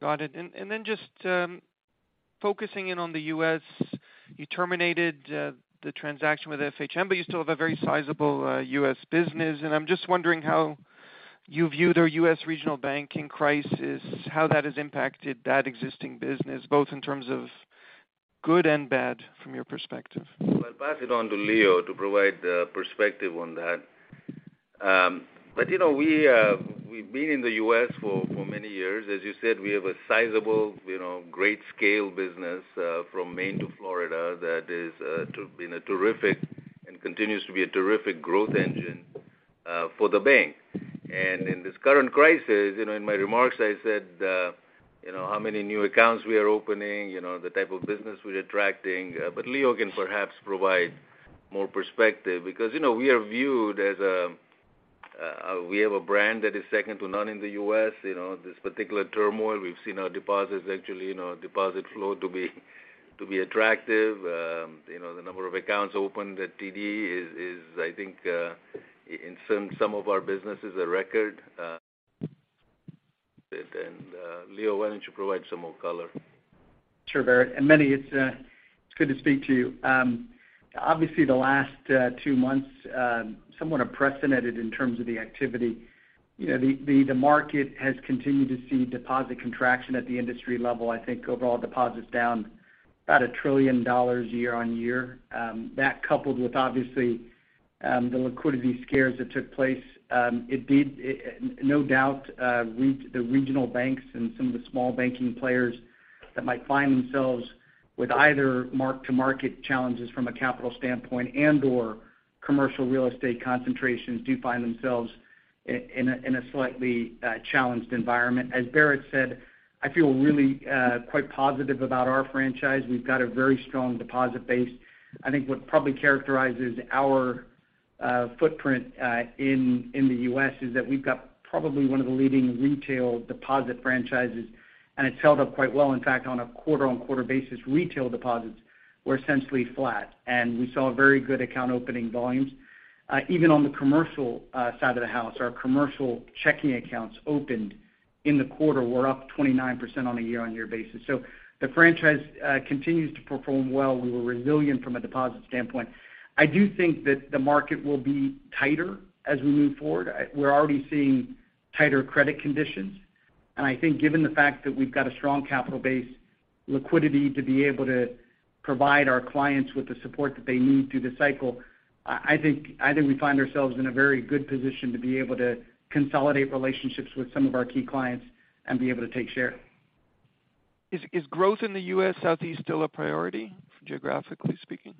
Got it. Then just focusing in on the U.S., you terminated the transaction with FHN, but you still have a very sizable U.S. business. I'm just wondering how you view the U.S. regional banking crisis, how that has impacted that existing business, both in terms of good and bad, from your perspective? Well, I'll pass it on to Leo to provide perspective on that. You know, we've been in the U.S. for many years. As you said, we have a sizable, you know, great scale business from Maine to Florida. That is been a terrific and continues to be a terrific growth engine for the bank. In this current crisis, you know, in my remarks, I said, you know, how many new accounts we are opening, you know, the type of business we're attracting. Leo can perhaps provide more perspective because, you know, we are viewed as a, we have a brand that is second to none in the U.S. You know, this particular turmoil, we've seen our deposits actually, you know, deposit flow to be attractive. you know, the number of accounts opened at TD is, I think, in some of our businesses, a record, and Leo, why don't you provide some more color? Sure, Bharat. Meny, it's good to speak to you. Obviously, the last two months, somewhat unprecedented in terms of the activity. You know, the market has continued to see deposit contraction at the industry level. I think overall deposits down about 1 trillion dollars year-on-year. That coupled with obviously, the liquidity scares that took place, it did no doubt the regional banks and some of the small banking players that might find themselves with either mark-to-market challenges from a capital standpoint and/or commercial real estate concentrations, do find themselves in a slightly challenged environment. As Bharat said, I feel really quite positive about our franchise. We've got a very strong deposit base. I think what probably characterizes our footprint in the U.S., is that we've got probably one of the leading retail deposit franchises, and it's held up quite well. In fact, on a quarter-on-quarter basis, retail deposits were essentially flat, and we saw very good account opening volumes. Even on the commercial side of the house, our commercial checking accounts opened in the quarter were up 29% on a year-on-year basis. The franchise continues to perform well. We were resilient from a deposit standpoint. I do think that the market will be tighter as we move forward. We're already seeing tighter credit conditions. I think given the fact that we've got a strong capital base, liquidity to be able to provide our clients with the support that they need through the cycle, I think we find ourselves in a very good position to be able to consolidate relationships with some of our key clients and be able to take share. Is growth in the U.S. Southeast still a priority, geographically speaking?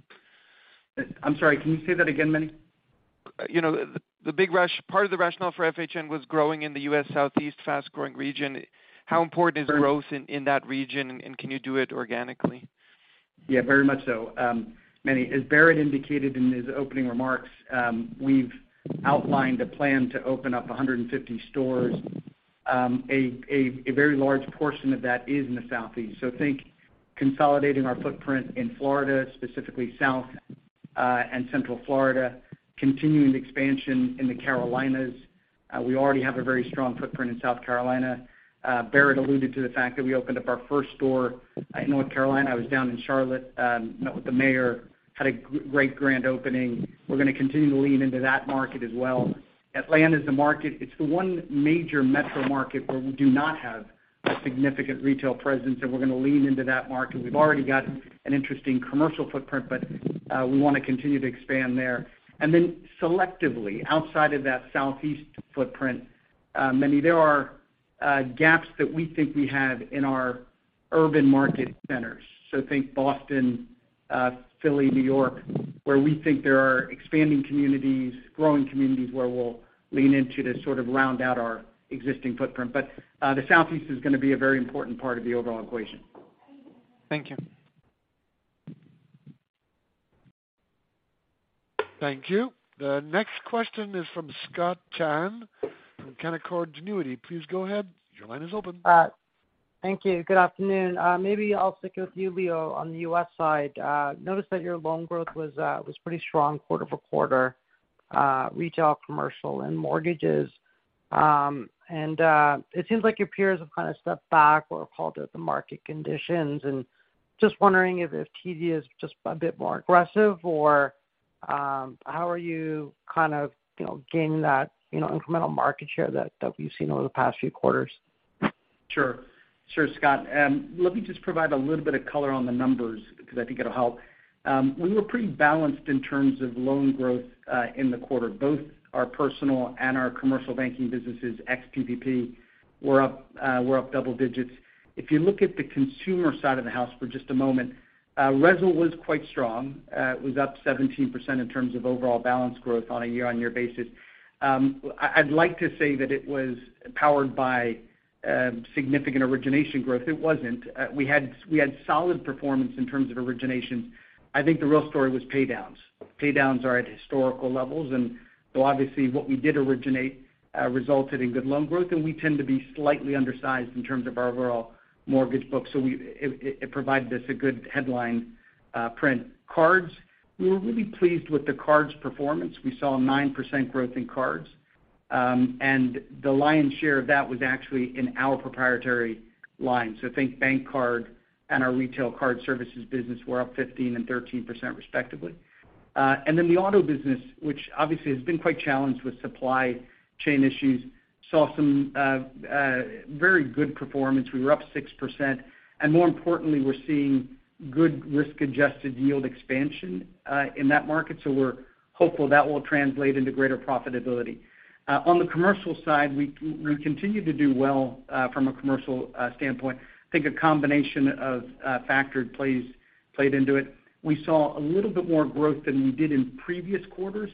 I'm sorry, can you say that again, Meny? You know, part of the rationale for FHN was growing in the U.S. Southeast fast-growing region. How important is growth in that region, and can you do it organically? Yeah, very much so. Meny, as Bharat indicated in his opening remarks, we've outlined a plan to open up 150 stores. A very large portion of that is in the Southeast. Think consolidating our footprint in Florida, specifically South and Central Florida, continuing the expansion in the Carolinas. We already have a very strong footprint in South Carolina. Bharat alluded to the fact that we opened up our first store in North Carolina. I was down in Charlotte, met with the mayor, had a great grand opening. We're going to continue to lean into that market as well. Atlanta is the market. It's the one major metro market where we do not have a significant retail presence. We're going to lean into that market. We've already got an interesting commercial footprint, but we want to continue to expand there. Selectively, outside of that Southeast footprint, Manny, there are gaps that we think we have in our urban market centers. Think Boston, Philly, New York, where we think there are expanding communities, growing communities, where we'll lean into to sort of round out our existing footprint. The Southeast is going to be a very important part of the overall equation. Thank you. Thank you. The next question is from Scott Chan from Canaccord Genuity. Please go ahead, your line is open. Thank you. Good afternoon. Maybe I'll stick with you, Leo, on the U.S. side. Noticed that your loan growth was pretty strong quarter-over-quarter, retail, commercial, and mortgages. And it seems like your peers have kind of stepped back or called out the market conditions, and just wondering if TD is just a bit more aggressive, or how are you kind of, you know, gaining that, you know, incremental market share that we've seen over the past few quarters? Sure. Sure, Scott. Let me just provide a little bit of color on the numbers because I think it'll help. We were pretty balanced in terms of loan growth in the quarter. Both our personal and our commercial banking businesses, ex-PPP, were up double digits. If you look at the consumer side of the house for just a moment, RESL was quite strong. It was up 17% in terms of overall balance growth on a year-over-year basis. I'd like to say that it was powered by significant origination growth. It wasn't. We had solid performance in terms of origination. I think the real story was paydowns. Pay downs are at historical levels. Obviously, what we did originate resulted in good loan growth, and we tend to be slightly undersized in terms of our overall mortgage book, so it provided us a good headline print. Cards, we were really pleased with the cards performance. We saw a 9% growth in cards, and the lion's share of that was actually in our proprietary line. Think bank card and our retail card services business were up 15% and 13% respectively. The auto business, which obviously has been quite challenged with supply chain issues, saw some very good performance. We were up 6%. More importantly, we're seeing good risk-adjusted yield expansion in that market. We're hopeful that will translate into greater profitability. On the commercial side, we continue to do well from a commercial standpoint. I think a combination of factored plays played into it. We saw a little bit more growth than we did in previous quarters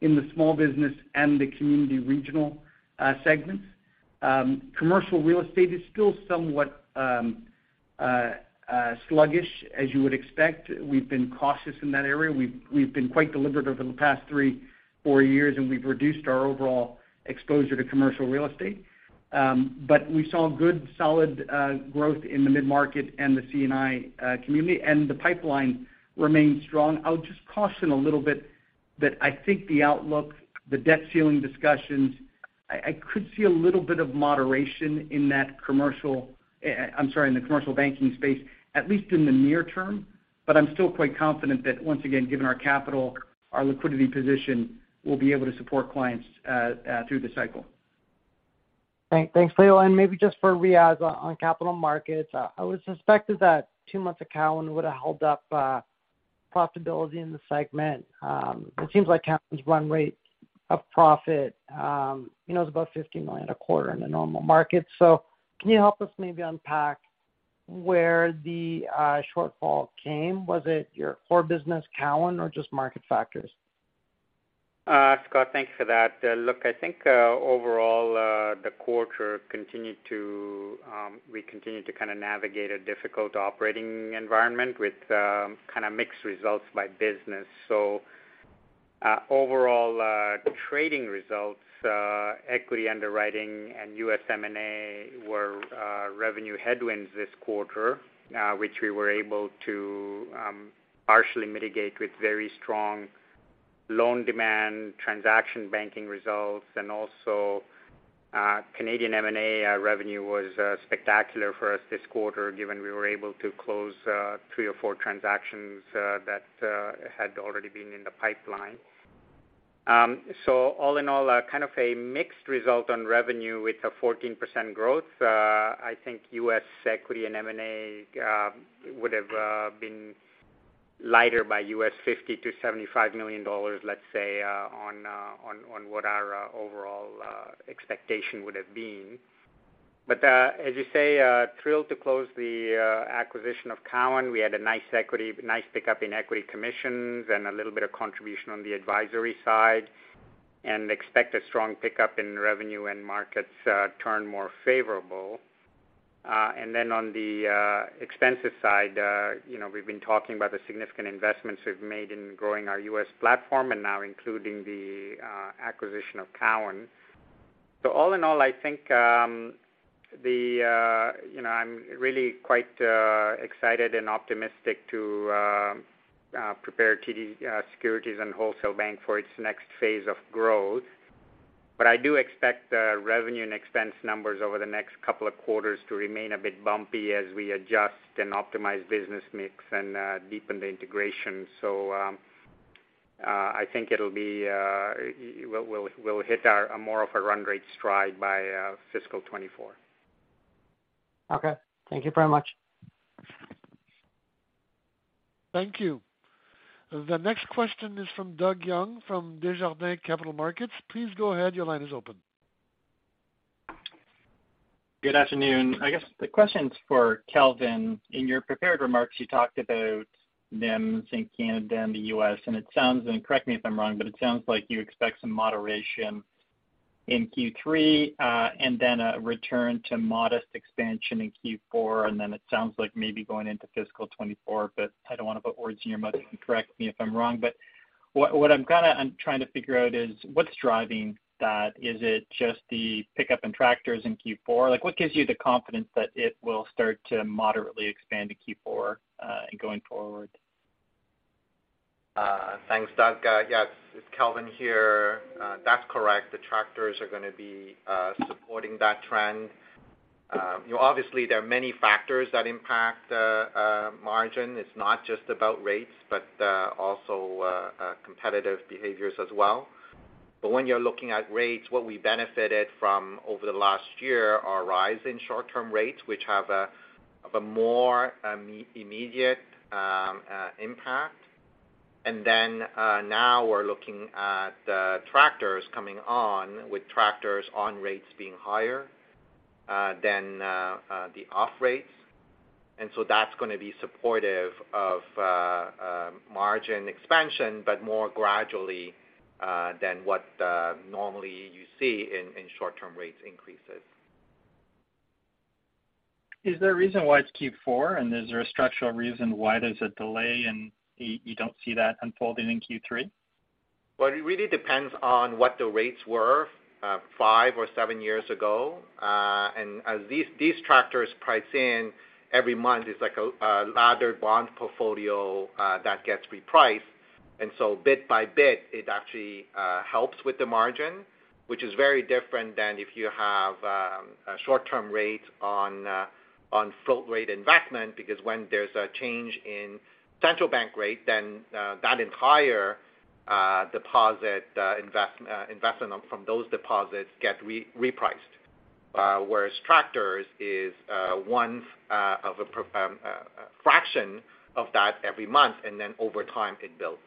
in the small business and the community regional segments. Commercial real estate is still somewhat sluggish, as you would expect. We've been cautious in that area. We've been quite deliberate over the past three, four years, and we've reduced our overall exposure to commercial real estate. We saw good, solid growth in the mid-market and the C&I community, and the pipeline remains strong. I'll just caution a little bit that I think the outlook, the debt ceiling discussions, I could see a little bit of moderation in that commercial, I'm sorry, in the commercial banking space, at least in the near term. I'm still quite confident that, once again, given our capital, our liquidity position, we'll be able to support clients, through the cycle. Thanks, Leo. Maybe just for Riaz on capital markets. I would suspected that two months of Cowen would have held up profitability in the segment. It seems like Cowen's run rate of profit, you know, is about 50 million a quarter in the normal market. Can you help us maybe unpack where the shortfall came? Was it your core business, Cowen, or just market factors? Scott, thanks for that. Look, I think, overall, the quarter continued to kind of navigate a difficult operating environment with kind of mixed results by business. overall, trading results, equity underwriting and U.S. M&A were revenue headwinds this quarter, which we were able to partially mitigate with very strong loan demand, transaction banking results, and also Canadian M&A revenue was spectacular for us this quarter, given we were able to close three or four transactions that had already been in the pipeline. all in all, kind of a mixed result on revenue with a 14% growth. I think U.S. equity and M&A would have been lighter by $50 million-$75 million, let's say, on what our overall expectation would have been. As you say, thrilled to close the acquisition of Cowen. We had a nice pickup in equity commissions and a little bit of contribution on the advisory side, and expect a strong pickup in revenue when markets turn more favorable. On the expensive side, you know, we've been talking about the significant investments we've made in growing our U.S. platform and now including the acquisition of Cowen. All in all, I think, the, you know, I'm really quite excited and optimistic to prepare TD Securities and Wholesale Bank for its next phase of growth. I do expect the revenue and expense numbers over the next 2 quarters to remain a bit bumpy as we adjust and optimize business mix and deepen the integration. I think it'll be we'll hit a more of a run rate stride by fiscal 2024. Okay. Thank you very much. Thank you. The next question is from Douglas Young, from Desjardins Capital Markets. Please go ahead. Your line is open. Good afternoon. I guess the question's for Kelvin. In your prepared remarks, you talked about NIMs in Canada and the U.S., and it sounds, and correct me if I'm wrong, but it sounds like you expect some moderation in Q3, and then a return to modest expansion in Q4, and then it sounds like maybe going into fiscal 2024. I don't want to put words in your mouth, you can correct me if I'm wrong. What I'm kind of, I'm trying to figure out is, what's driving that? Is it just the pickup in detractors in Q4? Like, what gives you the confidence that it will start to moderately expand to Q4, and going forward? Thanks, Doug. Yes, it's Kelvin here. That's correct. The detractors are going to be supporting that trend. You know, obviously, there are many factors that impact margin. It's not just about rates, but also competitive behaviors as well. When you're looking at rates, what we benefited from over the last year are rise in short-term rates, which have a more immediate impact. Then, now we're looking at the detractors coming on, with detractors on rates being higher than the off rates. So that's going to be supportive of margin expansion, but more gradually than what normally you see in short-term rates increases. Is there a reason why it's Q4, and is there a structural reason why there's a delay and you don't see that unfolding in Q3? Well, it really depends on what the rates were, five or seven years ago. As these detractors price in every month, it's like a laddered bond portfolio that gets repriced. Bit by bit, it actually helps with the margin, which is very different than if you have a short-term rate on float rate investment, because when there's a change in central bank rate, that entire deposit investment from those deposits get repriced. Whereas detractors is one of a fraction of that every month, and then over time, it builds.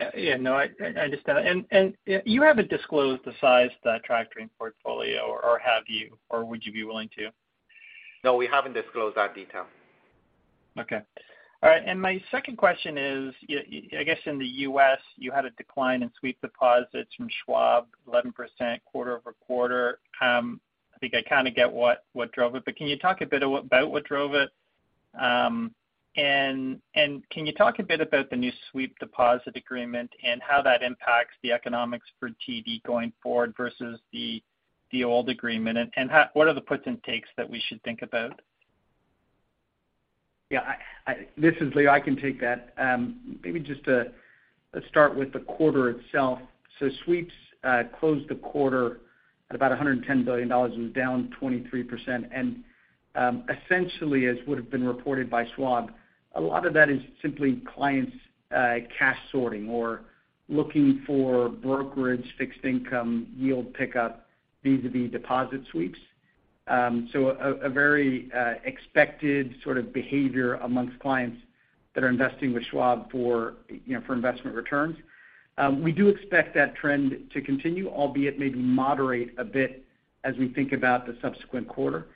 Yeah, yeah, no, I understand that. You haven't disclosed the size of the tractoring portfolio, or have you, or would you be willing to? No, we haven't disclosed that detail. Okay. All right. My second question is, I guess in the U.S., you had a decline in sweep deposits from Schwab, 11%, quarter-over-quarter. I think I kind of get what drove it, but can you talk a bit about what drove it? Can you talk a bit about the new sweep deposit agreement and how that impacts the economics for TD going forward versus the old agreement? What are the puts and takes that we should think about? Yeah, I. This is Leo, I can take that. Maybe just, let's start with the quarter itself. Sweeps closed the quarter at about $110 billion, and was down 23%. Essentially, as would have been reported by Schwab, a lot of that is simply clients cash sorting or looking for brokerage fixed income yield pickup, vis-a-vis deposit sweeps. So a very expected sort of behavior amongst clients that are investing with Schwab for, you know, for investment returns. We do expect that trend to continue, albeit maybe moderate a bit as we think about the subsequent quarter.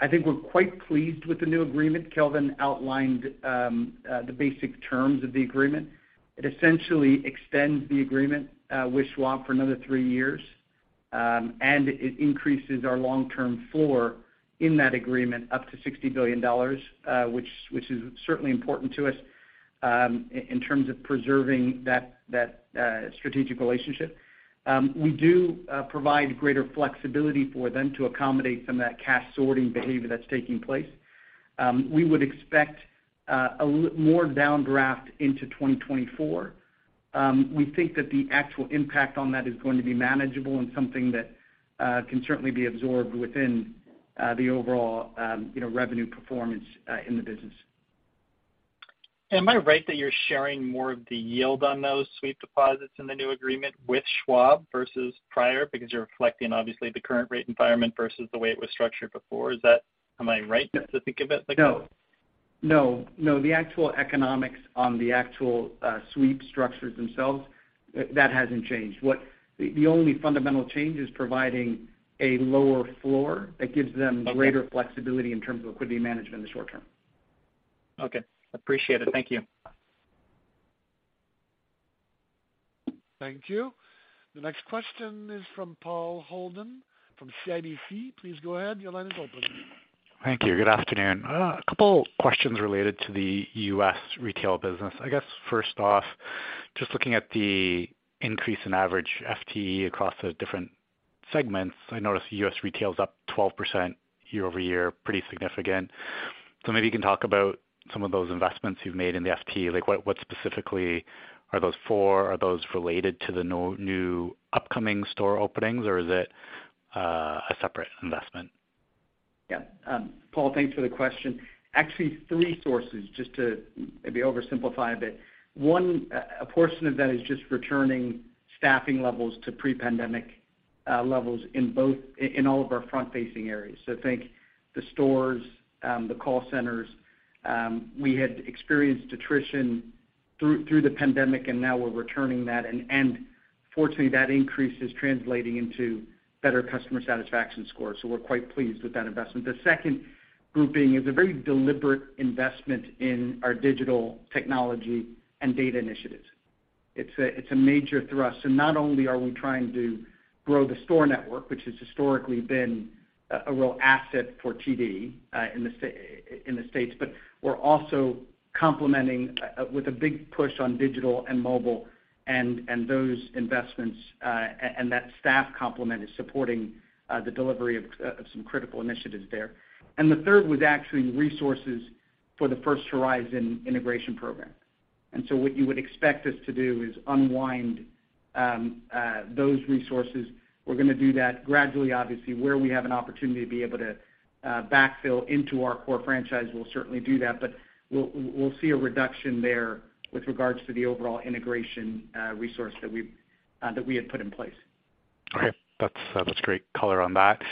I think we're quite pleased with the new agreement. Kelvin outlined the basic terms of the agreement. It essentially extends the agreement with Schwab for another three years, and it increases our long-term floor in that agreement up to 60 billion dollars, which is certainly important to us in terms of preserving that strategic relationship. We do provide greater flexibility for them to accommodate some of that cash sorting behavior that's taking place. We would expect more downdraft into 2024. We think that the actual impact on that is going to be manageable and something that can certainly be absorbed within the overall, you know, revenue performance in the business. Am I right that you're sharing more of the yield on those sweep deposits in the new agreement with Schwab versus prior? Because you're reflecting, obviously, the current rate environment versus the way it was structured before. Is that am I right to think of it like that? No. No, no. The actual economics on the actual, sweep structures themselves, that hasn't changed. The only fundamental change is providing a lower floor that gives them- Okay. greater flexibility in terms of liquidity management in the short term. Okay, appreciate it. Thank you. Thank you. The next question is from Paul Holden from CIBC. Please go ahead. Your line is open. Thank you. Good afternoon. A couple questions related to the U.S. retail business. I guess, first off, just looking at the increase in average FTE across the different segments, I noticed U.S. retail is up 12% year-over-year, pretty significant. Maybe you can talk about some of those investments you've made in the FTE. Like, what specifically are those for? Are those related to the new upcoming store openings, or is it a separate investment? Yeah. Paul, thanks for the question. Actually, three sources, just to maybe oversimplify a bit. One, a portion of that is just returning staffing levels to pre-pandemic levels in all of our front-facing areas. Think the stores, the call centers. We had experienced attrition through the pandemic, and now we're returning that. Fortunately, that increase is translating into better customer satisfaction scores, so we're quite pleased with that investment. The second grouping is a very deliberate investment in our digital technology and data initiatives. It's a major thrust. Not only are we trying to grow the store network, which has historically been a real asset for TD in the States, but we're also complementing with a big push on digital and mobile, and those investments and that staff complement is supporting the delivery of some critical initiatives there. The third was actually resources for the First Horizon integration program. What you would expect us to do is unwind those resources. We're going to do that gradually, obviously. Where we have an opportunity to be able to backfill into our core franchise, we'll certainly do that, but we'll see a reduction there with regards to the overall integration resource that we had put in place. Okay. That's great color on that.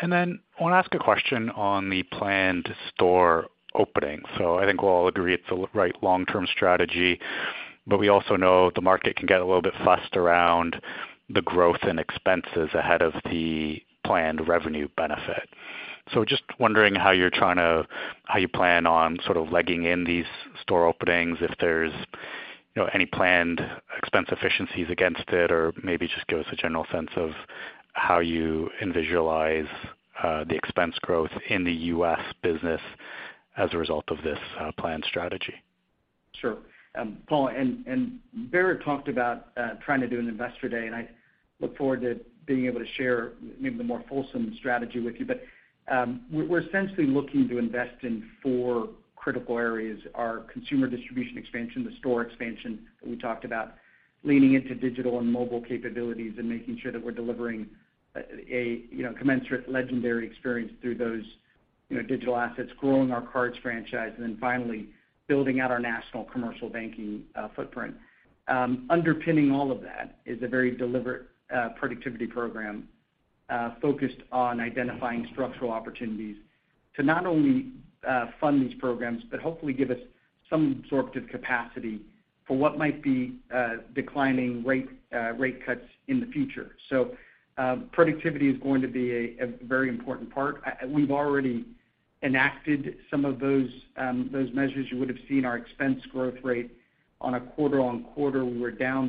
I want to ask a question on the planned store opening. I think we'll all agree it's the right long-term strategy, we also know the market can get a little bit fussed around the growth and expenses ahead of the planned revenue benefit. Just wondering how you plan on sort of legging in these store openings, if there's, you know, any planned expense efficiencies against it, or maybe just give us a general sense of how you envisionize the expense growth in the U.S. business as a result of this planned strategy? Sure. Paul and Bharat talked about trying to do an Investor Day. I look forward to being able to share maybe the more fulsome strategy with you. We're essentially looking to invest in 4 critical areas, our consumer distribution expansion, the store expansion that we talked about, leaning into digital and mobile capabilities, and making sure that we're delivering a, you know, commensurate legendary experience through those, you know, digital assets, growing our cards franchise, and then finally, building out our national commercial banking footprint. Underpinning all of that is a very deliberate productivity program focused on identifying structural opportunities to not only fund these programs, but hopefully give us some absorptive capacity for what might be declining rate cuts in the future. Productivity is going to be a very important part. We've already enacted some of those measures. You would have seen our expense growth rate on a quarter-on-quarter, we're down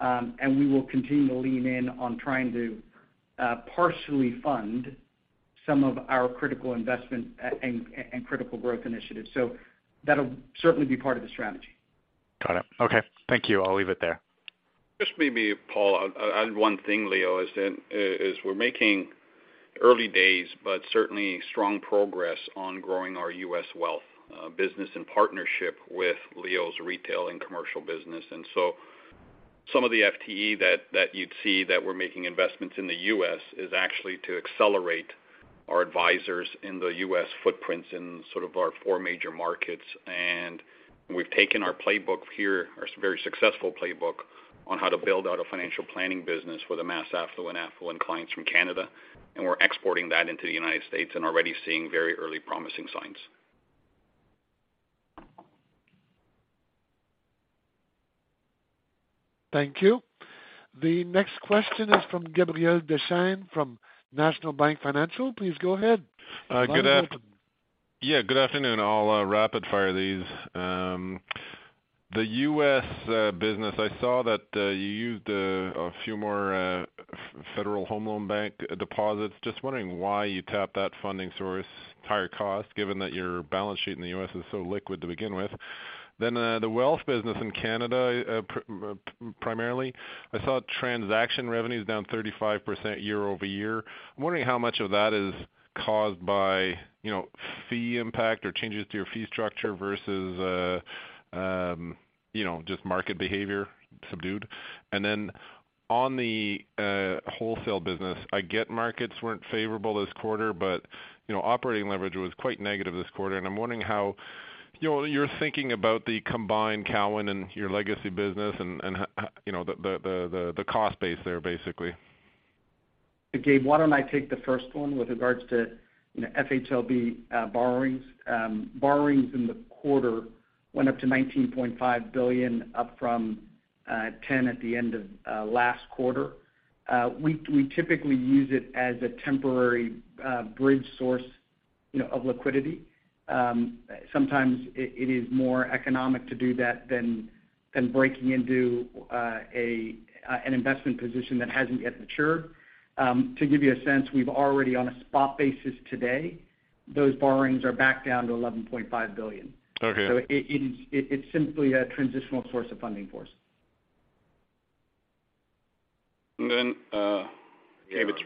3.8%. We will continue to lean in on trying to partially fund some of our critical investment and critical growth initiatives. That'll certainly be part of the strategy. Got it. Okay. Thank you. I'll leave it there. Just maybe, Paul, I'll add one thing, Leo, is that we're making early days, but certainly strong progress on growing our U.S. wealth business and partnership with Leo's retail and commercial business. Some of the FTE that you'd see that we're making investments in the U.S., is actually to accelerate our advisors in the U.S. footprints in sort of our four major markets. We've taken our playbook here, our very successful playbook, on how to build out a financial planning business for the mass affluent clients from Canada, and we're exporting that into the United States and already seeing very early promising signs. Thank you. The next question is from Gabriel Dechaine, from National Bank Financial. Please go ahead. Yeah, good afternoon. I'll rapid fire these. The U.S. business, I saw that you used a few more Federal Home Loan Bank deposits. Just wondering why you tapped that funding source, higher cost, given that your balance sheet in the U.S. is so liquid to begin with. The wealth business in Canada primarily, I saw transaction revenues down 35% year-over-year. I'm wondering how much of that is caused by, you know, fee impact or changes to your fee structure versus, you know, just market behavior subdued? On the wholesale business, I get markets weren't favorable this quarter, but, you know, operating leverage was quite negative this quarter, and I'm wondering how, you know, you're thinking about the combined Cowen and your legacy business and, you know, the cost base there, basically. Gabe, why don't I take the first one with regards to, you know, FHLB borrowings? Borrowings in the quarter went up to 19.5 billion, up from 10 billion at the end of last quarter. We typically use it as a temporary bridge source, you know, of liquidity. Sometimes it is more economic to do that than breaking into an investment position that hasn't yet matured. To give you a sense, we've already on a spot basis today, those borrowings are back down to 11.5 billion. Okay. It's simply a transitional source of funding for us. Gabe. Yeah, it's,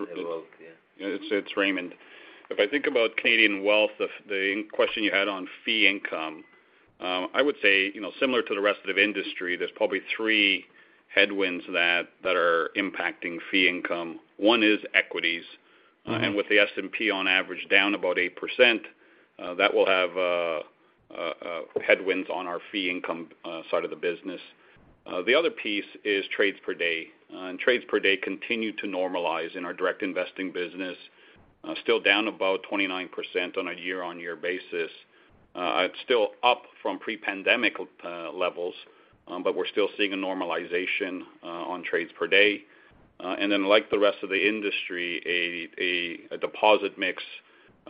yeah. Yeah, it's Raymond. If I think about Canadian wealth, the question you had on fee income, I would say, you know, similar to the rest of industry, there's probably three headwinds that are impacting fee income. One is equities. Mm-hmm. With the S&P on average down about 8%, that will have headwinds on our fee income side of the business. The other piece is trades per day. Trades per day continue to normalize in our direct investing business. Still down about 29% on a year-over-year basis. It's still up from pre-pandemic levels, but we're still seeing a normalization on trades per day. Like the rest of the industry, a deposit mix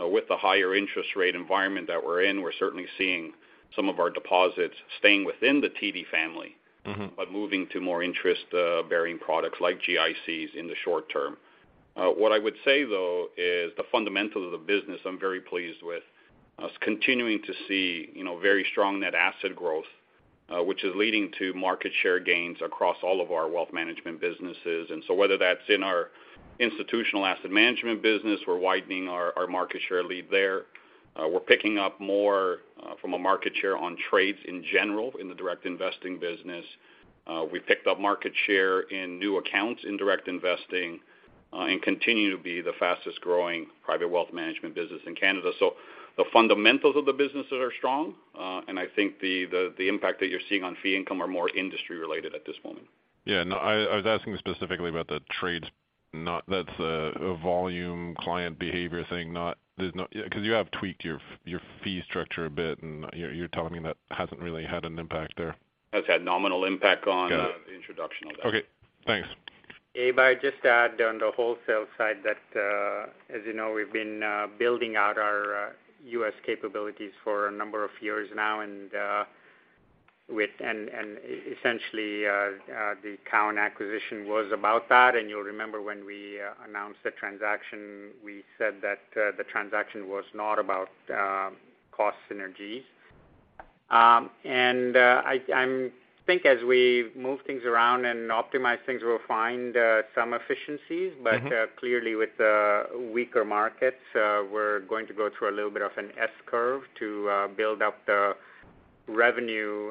with the higher interest rate environment that we're in, we're certainly seeing some of our deposits staying within the TD family. Mm-hmm Moving to more interest, bearing products like GICs in the short term. What I would say, though, is the fundamental of the business, I'm very pleased with. Us continuing to see, you know, very strong net asset growth, which is leading to market share gains across all of our Wealth Management businesses. Whether that's in our institutional asset management business, we're widening our market share lead there. We're picking up more, from a market share on trades in general, in the direct investing business. We picked up market share in new accounts, in direct investing, and continue to be the fastest growing private wealth management business in Canada. The fundamentals of the businesses are strong, and I think the, the impact that you're seeing on fee income are more industry related at this point. Yeah, no, I was asking specifically about the trades, that's a volume client behavior thing, there's no... Because you have tweaked your fee structure a bit, and you're telling me that hasn't really had an impact there. It's had nominal impact. Got it. the introduction of that. Okay, thanks. Gabe, I just add on the wholesale side that, as you know, we've been building out our U.S. capabilities for a number of years now. Essentially, the Cowen acquisition was about that. You'll remember when we announced the transaction, we said that the transaction was not about cost synergies. I think as we move things around and optimize things, we'll find some efficiencies. Mm-hmm. Clearly, with the weaker markets, we're going to go through a little bit of an S curve to build up the revenue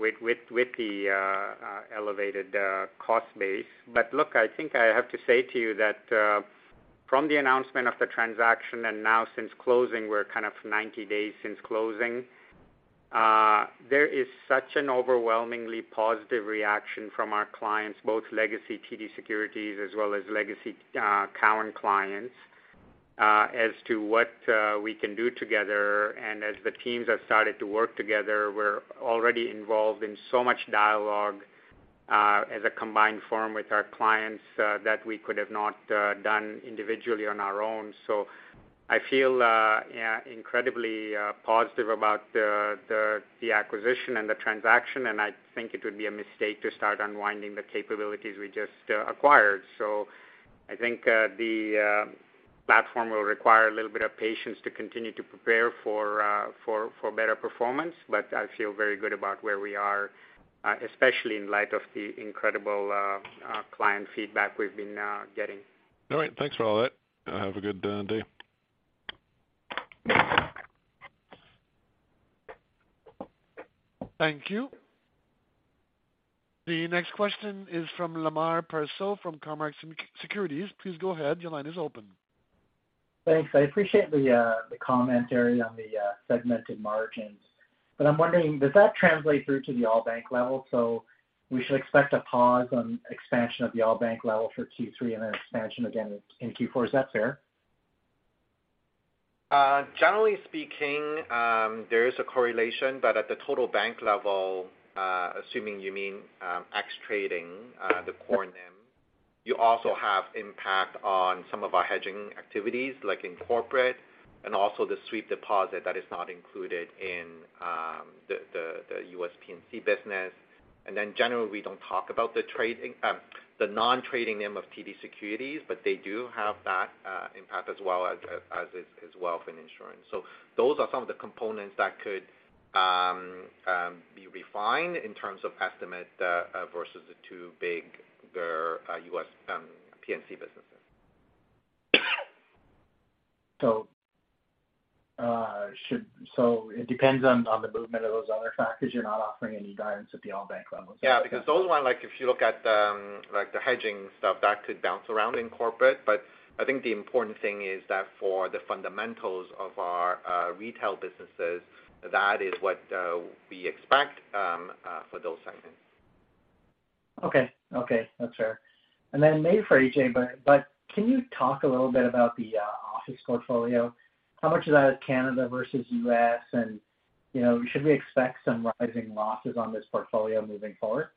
with the elevated cost base. Look, I think I have to say to you that from the announcement of the transaction and now since closing, we're kind of 90 days since closing, there is such an overwhelmingly positive reaction from our clients, both legacy TD Securities as well as legacy Cowen clients as to what we can do together. As the teams have started to work together, we're already involved in so much dialogue as a combined firm with our clients that we could have not done individually on our own. I feel, yeah, incredibly positive about the acquisition and the transaction. I think it would be a mistake to start unwinding the capabilities we just acquired. I think the platform will require a little bit of patience to continue to prepare for better performance, but I feel very good about where we are, especially in light of the incredible client feedback we've been getting. All right, thanks for all that. Have a good day. Thank you. The next question is from Lemar Persaud, from Cormark Securities. Please go ahead. Your line is open. Thanks. I appreciate the commentary on the segmented margins. I'm wondering, does that translate through to the all bank level? We should expect a pause on expansion of the all bank level for Q3 and an expansion again in Q4. Is that fair? Generally speaking, there is a correlation, but at the total bank level, assuming you mean ex trading, the core NIM, you also have impact on some of our hedging activities, like in corporate and also the sweep deposit that is not included in the U.S. P&C business. Generally, we don't talk about the trading, the non-trading NIM of TD Securities, but they do have that impact as Wealth and Insurance. Those are some of the components that could be refined in terms of estimate versus the two bigger U.S. P&C businesses. it depends on the movement of those other factors. You're not offering any guidance at the all bank level? Yeah, because those one, like, if you look at, like, the hedging stuff, that could bounce around in corporate. I think the important thing is that for the fundamentals of our, retail businesses, that is what, we expect, for those segments. Okay, okay, that's fair. Maybe for Ajai, but can you talk a little bit about the office portfolio? How much of that is Canada versus U.S., and, you know, should we expect some rising losses on this portfolio moving forward?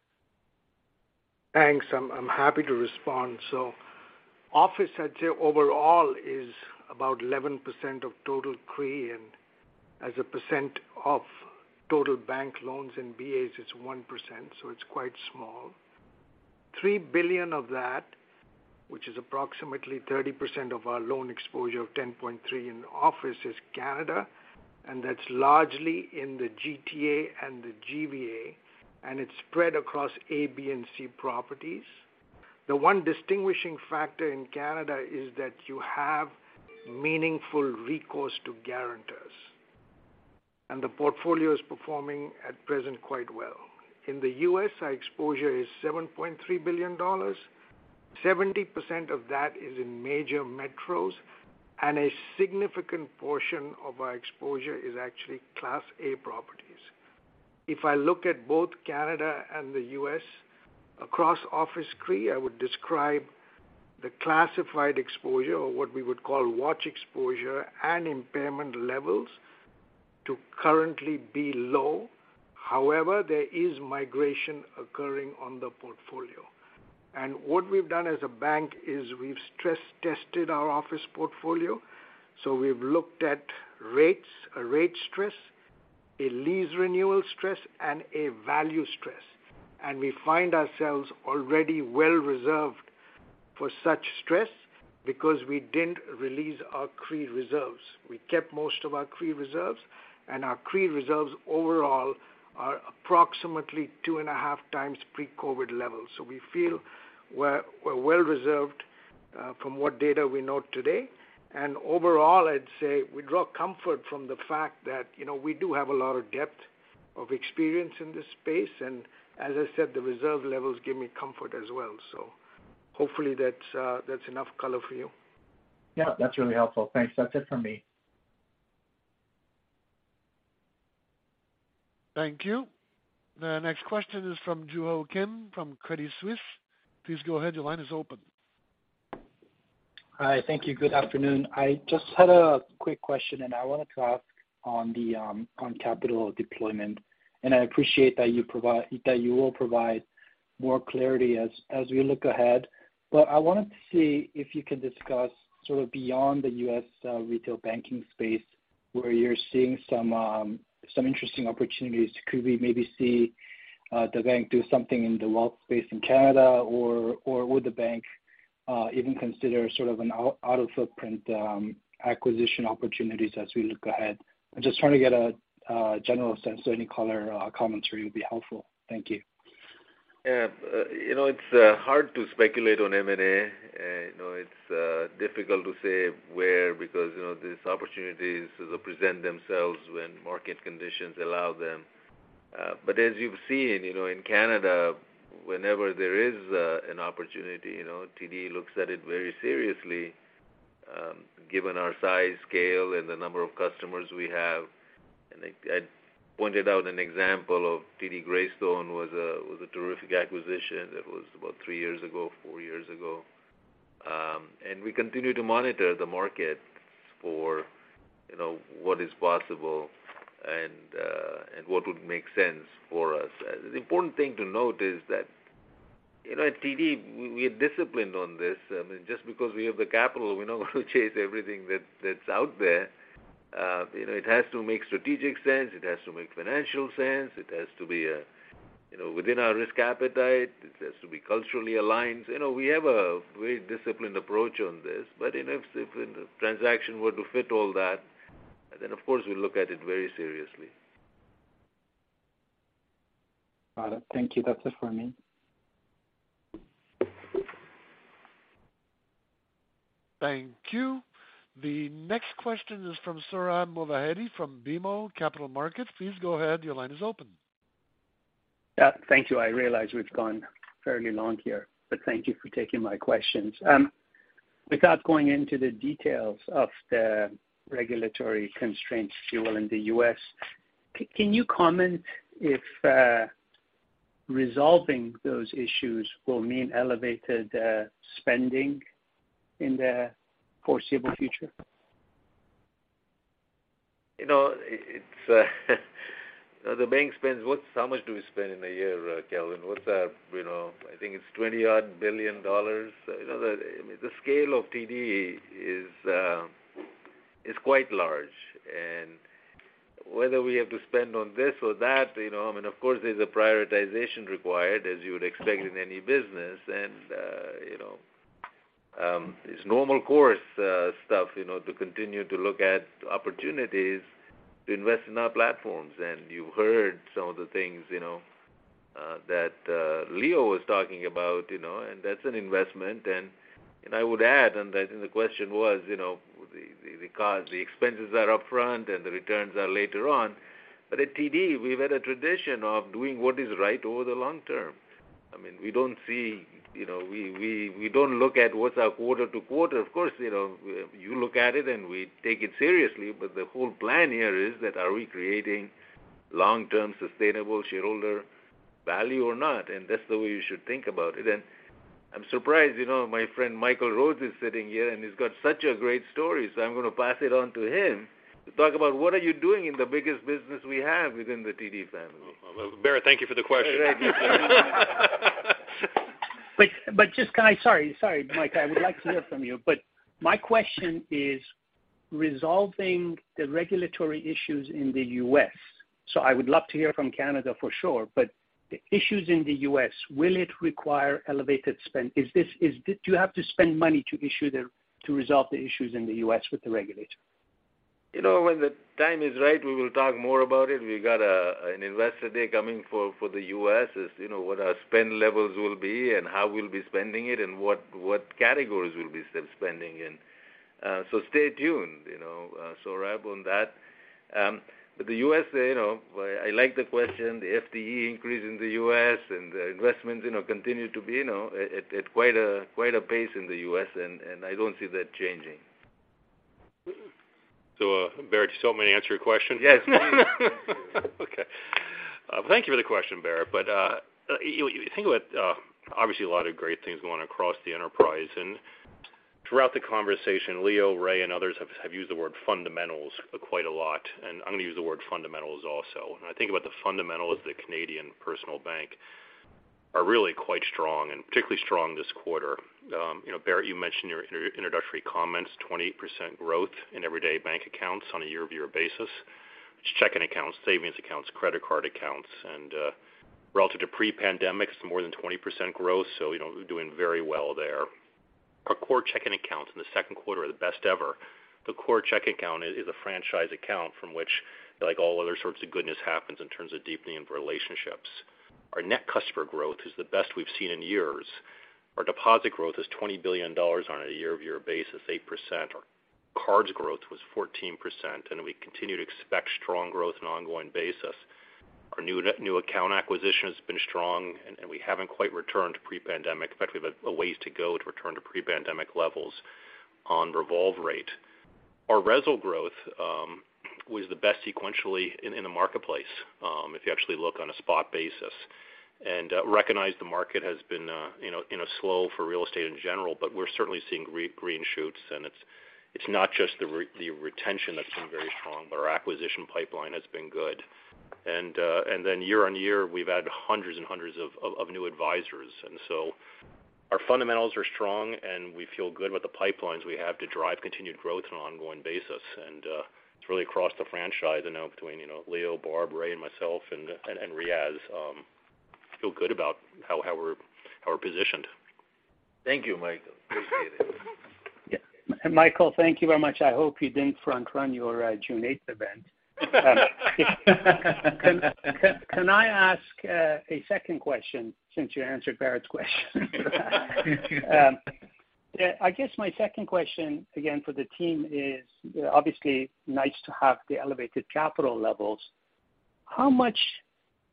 Thanks. I'm happy to respond. Office, I'd say, overall is about 11% of total CRE. As a percent of total bank loans and BAs, it's 1%. It's quite small. 3 billion of that, which is approximately 30% of our loan exposure of 10.3 billion in office, is Canada. That's largely in the GTA and the GVA. It's spread across A, B and C properties. The one distinguishing factor in Canada is that you have meaningful recourse to guarantors. The portfolio is performing at present quite well. In the U.S., our exposure is 7.3 billion dollars. 70% of that is in major metros. A significant portion of our exposure is actually Class A properties. If I look at both Canada and the U.S. across office CRE, I would describe the classified exposure, or what we would call watch exposure and impairment levels, to currently be low. However, there is migration occurring on the portfolio. What we've done as a bank is we've stress tested our office portfolio. We've looked at rates, a rate stress, a lease renewal stress, and a value stress. We find ourselves already well reserved for such stress because we didn't release our CRE reserves. We kept most of our CRE reserves, and our CRE reserves overall are approximately 2.5x times pre-COVID levels. We feel we're well reserved from what data we know today. Overall, I'd say we draw comfort from the fact that, you know, we do have a lot of depth of experience in this space, and as I said, the reserve levels give me comfort as well. Hopefully that's enough color for you. Yeah, that's really helpful. Thanks. That's it for me. Thank you. The next question is from Joo Ho Kim, from Credit Suisse. Please go ahead. Your line is open. Hi. Thank you. Good afternoon. I just had a quick question. I wanted to ask on capital deployment. I appreciate that you will provide more clarity as we look ahead. I wanted to see if you can discuss sort of beyond the U.S. retail banking space, where you're seeing some interesting opportunities. Could we maybe see the bank do something in the wealth space in Canada, or would the bank even consider sort of an out of footprint acquisition opportunities as we look ahead? I'm just trying to get a general sense. Any color commentary would be helpful. Thank you. Yeah. You know, it's hard to speculate on M&A. You know, it's difficult to say where, because, you know, these opportunities present themselves when market conditions allow them. As you've seen, you know, in Canada, whenever there is an opportunity, you know, TD looks at it very seriously, given our size, scale, and the number of customers we have. I pointed out an example of TD Greystone was a terrific acquisition. It was about three years ago, four years ago. We continue to monitor the market for, you know, what is possible and what would make sense for us. The important thing to note is that, you know, at TD, we are disciplined on this. I mean, just because we have the capital, we're not going to chase everything that's out there. You know, it has to make strategic sense, it has to make financial sense, it has to be, you know, within our risk appetite, it has to be culturally aligned. You know, we have a very disciplined approach on this, but, you know, if the transaction were to fit all that, then of course, we look at it very seriously. Got it. Thank you. That's it for me. Thank you. The next question is from Sohrab Movahedi, from BMO Capital Markets. Please go ahead. Your line is open. Thank you. I realize we've gone fairly long here. Thank you for taking my questions. Without going into the details of the regulatory constraints you will in the U.S., can you comment if resolving those issues will mean elevated spending in the foreseeable future? You know, it's, the bank spends what... How much do we spend in a year, Kelvin? What's that? You know, I think it's 20 odd billion. You know, the scale of TD is quite large, and whether we have to spend on this or that, you know, I mean, of course, there's a prioritization required, as you would expect in any business. You know, it's normal course stuff, you know, to continue to look at opportunities to invest in our platforms. You've heard some of the things that Leo was talking about, you know, and that's an investment. I would add, and I think the question was, you know, because the expenses are upfront and the returns are later on. At TD, we've had a tradition of doing what is right over the long term. I mean, we don't see, you know, we don't look at what's our quarter to quarter. Of course, you know, you look at it, and we take it seriously, but the whole plan here is that are we creating long-term, sustainable shareholder value or not? That's the way you should think about it. I'm surprised, you know, my friend Michael Rhodes is sitting here, and he's got such a great story, so I'm going to pass it on to him to talk about what are you doing in the biggest business we have within the TD family. Well, Bharat, thank you for the question. Thank you. just can I. Sorry, Mike, I would like to hear from you. My question is resolving the regulatory issues in the U.S. I would love to hear from Canada for sure, but the issues in the U.S., will it require elevated spend? Is this, do you have to spend money to issue the, to resolve the issues in the U.S. with the regulator? You know, when the time is right, we will talk more about it. We got an investor day coming for the U.S., as you know, what our spend levels will be and how we'll be spending it and what categories we'll be spending in. Stay tuned, you know, so wrap on that. The U.S., you know, I like the question, the FTE increase in the U.S. and the investments, you know, continue to be, you know, at quite a pace in the U.S., and I don't see that changing. Bharat, do you still want me to answer your question? Yes, please. Okay. Thank you for the question, Bharat. You think about obviously a lot of great things going across the enterprise, and throughout the conversation, Leo, Ray, and others have used the word fundamentals quite a lot, and I'm going to use the word fundamentals also. I think about the fundamentals of the Canadian Personal Bank are really quite strong and particularly strong this quarter. You know, Bharat, you mentioned in your introductory comments, 28% growth in everyday bank accounts on a year-over-year basis. It's checking accounts, savings accounts, credit card accounts, and relative to pre-pandemic, it's more than 20% growth, you know, we're doing very well there. Our core checking accounts in the second quarter are the best ever. The core checking account is a franchise account from which, like all other sorts of goodness happens in terms of deepening of relationships. Our net customer growth is the best we've seen in years. Our deposit growth is 20 billion dollars on a year-over-year basis, 8%. Our cards growth was 14%, we continue to expect strong growth on an ongoing basis. Our new account acquisition has been strong, and we haven't quite returned to pre-pandemic. In fact, we have a ways to go to return to pre-pandemic levels on revolve rate. Our RESL growth was the best sequentially in the marketplace, if you actually look on a spot basis. Recognize the market has been, you know, in a slow for real estate in general, but we're certainly seeing green shoots, and it's not just the retention that's been very strong, but our acquisition pipeline has been good. Year-over-year, we've had hundreds and hundreds of new advisors. Our fundamentals are strong, and we feel good with the pipelines we have to drive continued growth on an ongoing basis. It's really across the franchise, I know between, you know, Leo, Barb, Ray, and myself and Riaz, feel good about how we're positioned. Thank you, Michael. Appreciate it. Yeah. Michael, thank you very much. I hope you didn't front run your June 8 event. Can I ask a second question since you answered Bharat's question? Yeah, I guess my second question, again, for the team is obviously nice to have the elevated capital levels. How much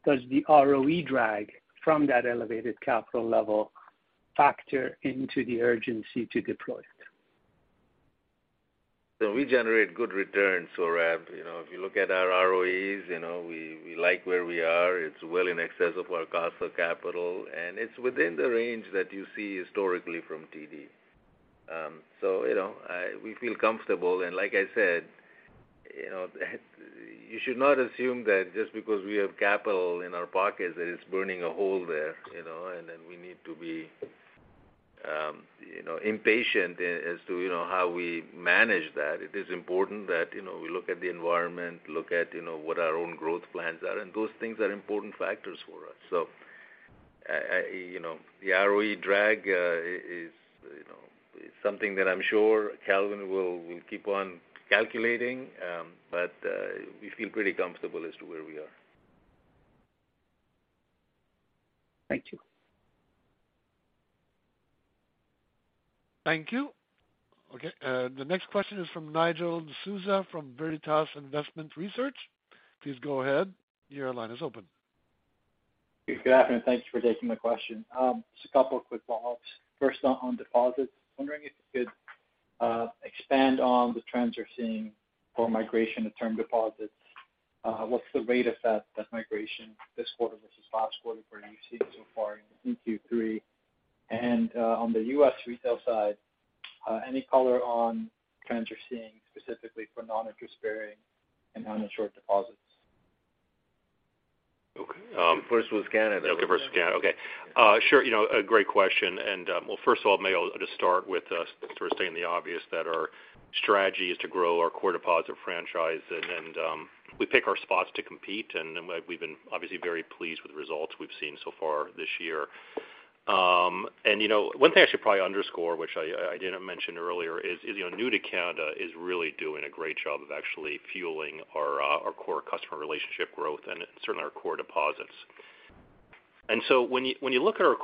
does the ROE drag from that elevated capital level factor into the urgency to deploy it? We generate good returns, Sohrab. You know, if you look at our ROEs, you know, we like where we are. It's well in excess of our cost of capital, and it's within the range that you see historically from TD. You know, we feel comfortable, and like I said, you know, you should not assume that just because we have capital in our pockets, that it's burning a hole there, you know, and then we need to be, you know, impatient as to, you know, how we manage that. It is important that, you know, we look at the environment, look at, you know, what our own growth plans are, and those things are important factors for us. You know, the ROE drag is, you know, something that I'm sure Calvin will keep on calculating, but we feel pretty comfortable as to where we are. Thank you. Thank you. Okay, the next question is from Nigel D'Souza, from Veritas Investment Research. Please go ahead. Your line is open. Good afternoon, thanks for taking my question. Just a couple of quick follows. First, on deposits. Wondering if you could expand on the trends you're seeing for migration to term deposits. What's the rate of that migration this quarter versus last quarter, where you see so far in Q3? On the U.S. retail side, any color on trends you're seeing specifically for non-interest bearing and uninsured deposits? Okay. First with Canada. Okay, first with Canada. Okay. Sure, you know, a great question. Well, first of all, may I'll just start with sort of stating the obvious, that our strategy is to grow our core deposit franchise, and we pick our spots to compete, and we've been obviously very pleased with the results we've seen so far this year. You know, one thing I should probably underscore, which I didn't mention earlier, is, you know, new to Canada is really doing a great job of actually fueling our core customer relationship growth and certainly our core deposits. When you, when you look at our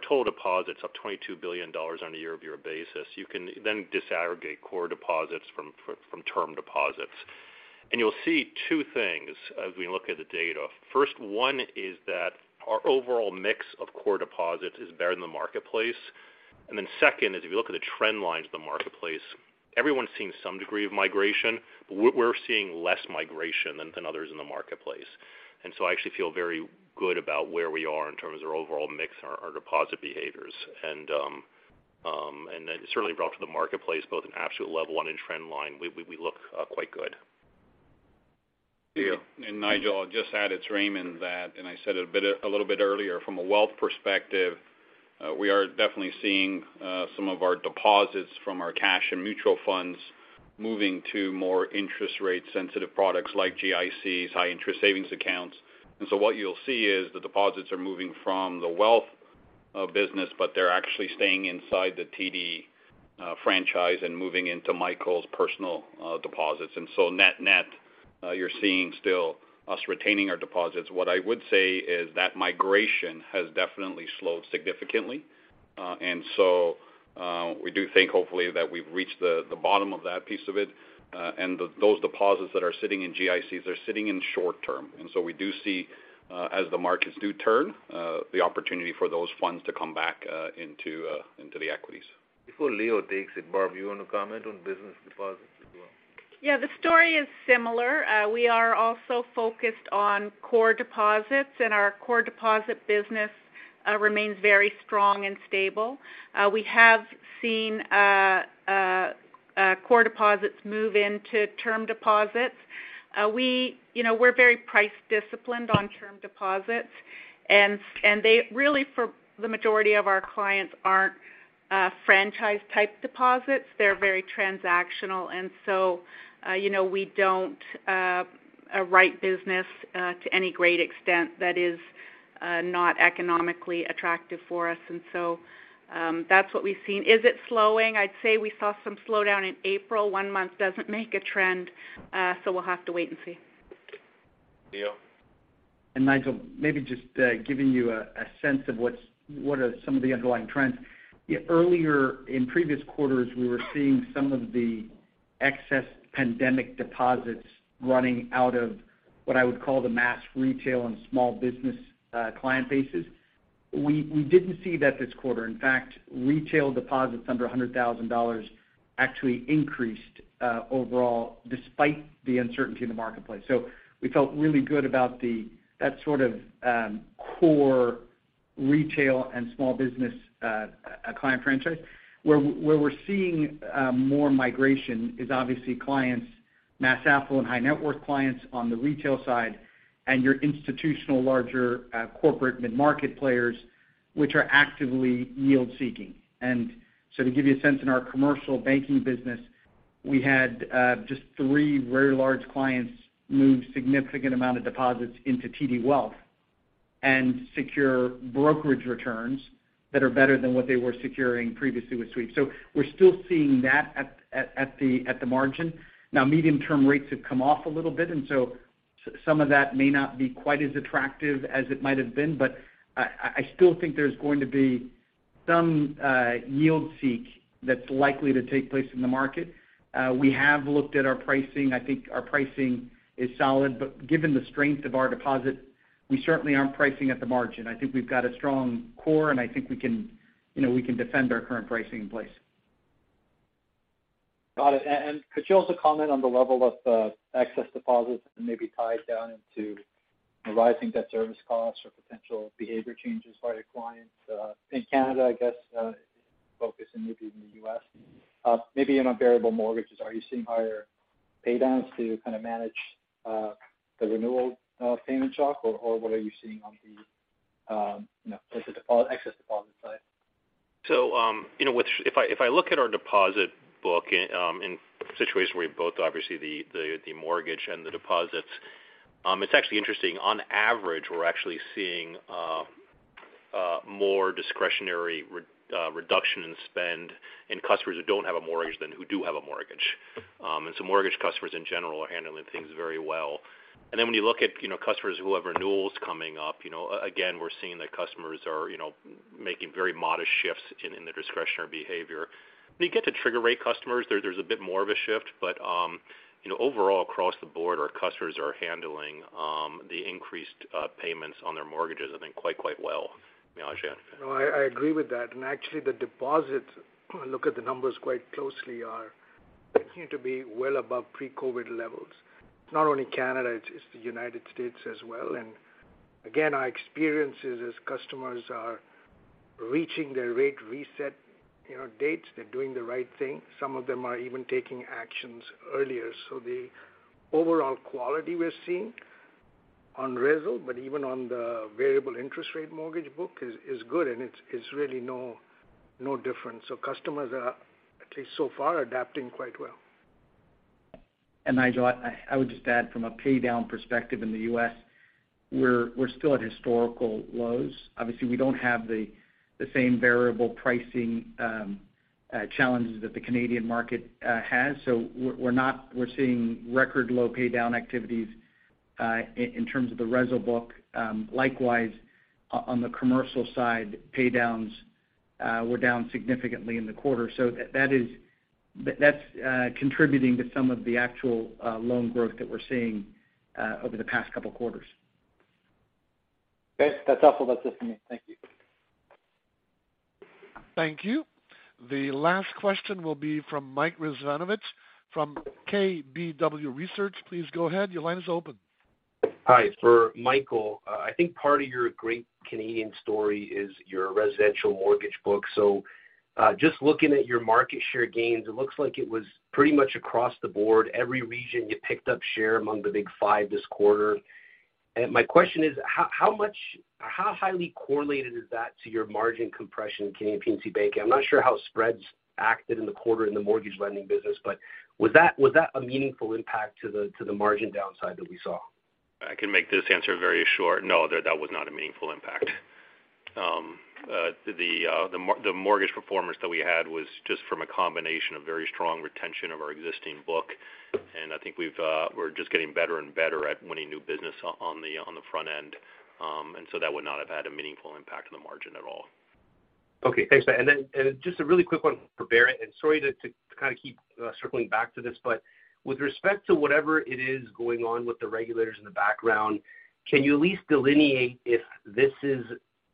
total deposits up 22 billion dollars on a year-over-year basis, you can then disaggregate core deposits from term deposits. You'll see two things as we look at the data. First one is that our overall mix of core deposits is better than the marketplace. Then second, as you look at the trend lines of the marketplace, everyone's seeing some degree of migration. We're seeing less migration than others in the marketplace. So I actually feel very good about where we are in terms of our overall mix and our deposit behaviors. Then certainly relative to the marketplace, both in absolute level 1 and in trend line, we look quite good. Leo. Nigel, I'll just add, it's Raymond, that, and I said it a little bit earlier, from a wealth perspective, we are definitely seeing some of our deposits from our cash and mutual funds moving to more interest rate-sensitive products like GICs, high interest savings accounts. What you'll see is the deposits are moving from the wealth business, but they're actually staying inside the TD franchise and moving into Michael's personal deposits. Net-net, you're seeing still us retaining our deposits. What I would say is that migration has definitely slowed significantly. We do think hopefully that we've reached the bottom of that piece of it, and those deposits that are sitting in GICs are sitting in short term. We do see, as the markets do turn, the opportunity for those funds to come back, into the equities. Before Leo takes it, Barb, you want to comment on business deposits as well? Yeah, the story is similar. We are also focused on core deposits, and our core deposit business remains very strong and stable. We have seen core deposits move into term deposits. We, you know, we're very price disciplined on term deposits, and they really, for the majority of our clients, aren't franchise-type deposits. They're very transactional, and so, you know, we don't write business to any great extent that is not economically attractive for us. That's what we've seen. Is it slowing? I'd say we saw some slowdown in April. One month doesn't make a trend, so we'll have to wait and see. Leo? Nigel, maybe just giving you a sense of what are some of the underlying trends. Earlier in previous quarters, we were seeing some of the excess pandemic deposits running out of what I would call the mass retail and small business client bases. We didn't see that this quarter. In fact, retail deposits under 100,000 dollars actually increased overall, despite the uncertainty in the marketplace. We felt really good about that sort of core retail and small business client franchise. Where we're seeing more migration is obviously clients, mass affluent and high-net-worth clients on the retail side, and your institutional, larger corporate mid-market players, which are actively yield seeking. To give you a sense, in our commercial banking business, we had just three very large clients move significant amount of deposits into TD Wealth and secure brokerage returns that are better than what they were securing previously with Suite. We're still seeing that at the margin. Medium-term rates have come off a little bit, some of that may not be quite as attractive as it might have been, but I still think there's going to be some yield seek that's likely to take place in the market. We have looked at our pricing. I think our pricing is solid, but given the strength of our deposit, we certainly aren't pricing at the margin. I think we've got a strong core, and I think we can, you know, we can defend our current pricing in place. Got it. Could you also comment on the level of excess deposits and maybe tie it down into rising debt service costs or potential behavior changes by the clients in Canada, I guess, focusing maybe in the U.S.? Maybe on variable mortgages, are you seeing higher paydowns to kind of manage the renewal payment shock, or what are you seeing on the, you know, as the excess deposit side? you know, if I, if I look at our deposit book, in situations where both obviously the mortgage and the deposits, it's actually interesting. On average, we're actually seeing more discretionary reduction in spend in customers who don't have a mortgage than who do have a mortgage. Mortgage customers in general are handling things very well. When you look at, you know, customers who have renewals coming up, you know, again, we're seeing that customers are, you know, making very modest shifts in their discretionary behavior. When you get to trigger rate customers, there's a bit more of a shift, but, you know, overall, across the board, our customers are handling the increased payments on their mortgages, I think, quite well. Ajai? No, I agree with that. Actually, the deposits, look at the numbers quite closely, are continuing to be well above pre-COVID levels. It's not only Canada, it's the United States as well. Again, our experience is as customers are reaching their rate reset, you know, dates, they're doing the right thing. Some of them are even taking actions earlier. The overall quality we're seeing on RESL, but even on the variable interest rate mortgage book, is good, and it's really no different. Customers are, at least so far, adapting quite well. Nigel, I would just add from a pay down perspective in the U.S., we're still at historical lows. Obviously, we don't have the same variable pricing challenges that the Canadian market has. We're seeing record low pay down activities in terms of the RESL book. Likewise, on the commercial side, pay downs were down significantly in the quarter. That's contributing to some of the actual loan growth that we're seeing over the past couple of quarters. Okay. That's all. That's it for me. Thank you. Thank you. The last question will be from Mike Rizvanovic, from KBW Research. Please go ahead. Your line is open. Hi, for Michael. I think part of your great Canadian story is your residential mortgage book. Just looking at your market share gains, it looks like it was pretty much across the board. Every region, you picked up share among the big five this quarter. My question is: How highly correlated is that to your margin compression in Canadian P&C Bank? I'm not sure how spreads acted in the quarter in the mortgage lending business, was that a meaningful impact to the margin downside that we saw? I can make this answer very short. No, that was not a meaningful impact. The mortgage performance that we had was just from a combination of very strong retention of our existing book, and I think we've, we're just getting better and better at winning new business on the front end. That would not have had a meaningful impact on the margin at all. Okay, thanks. Just a really quick one for Bharat, and sorry to kind of keep circling back to this, with respect to whatever it is going on with the regulators in the background, can you at least delineate if this is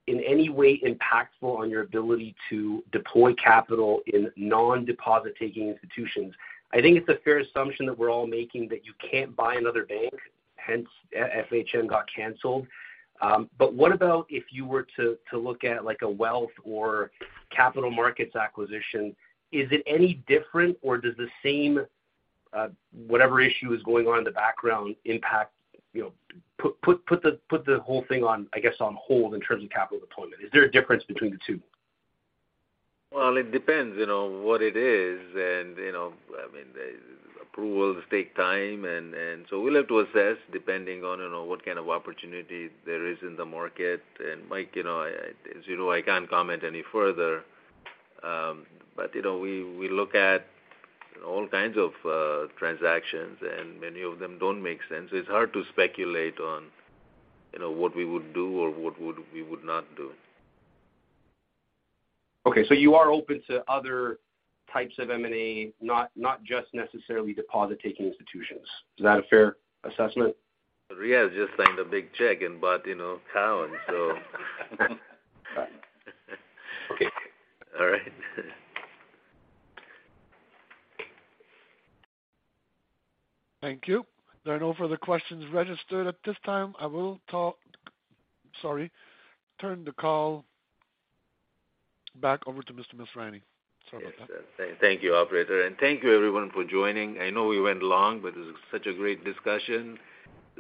in any way impactful on your ability to deploy capital in non-deposit-taking institutions? I think it's a fair assumption that we're all making, that you can't buy another bank, hence FHN got canceled. What about if you were to look at, like, a Wealth or Capital Markets acquisition? Is it any different, or does the same whatever issue is going on in the background impact the whole thing on, I guess, on hold in terms of capital deployment? Is there a difference between the two? Well, it depends, you know, what it is. You know, I mean, approvals take time, and so we'll have to assess, depending on, you know, what kind of opportunity there is in the market. Mike, you know, as you know, I can't comment any further. You know, we look at all kinds of transactions, and many of them don't make sense. It's hard to speculate on, you know, what we would do or we would not do. Okay, you are open to other types of M&A, not just necessarily deposit-taking institutions. Is that a fair assessment? Riaz just signed a big check and bought, you know, Cowen. Okay. All right. Thank you. There are no further questions registered at this time. I will, sorry, turn the call back over to Mr. Masrani. Sorry about that. Thank you, Operator, thank you, everyone, for joining. I know we went long, it was such a great discussion.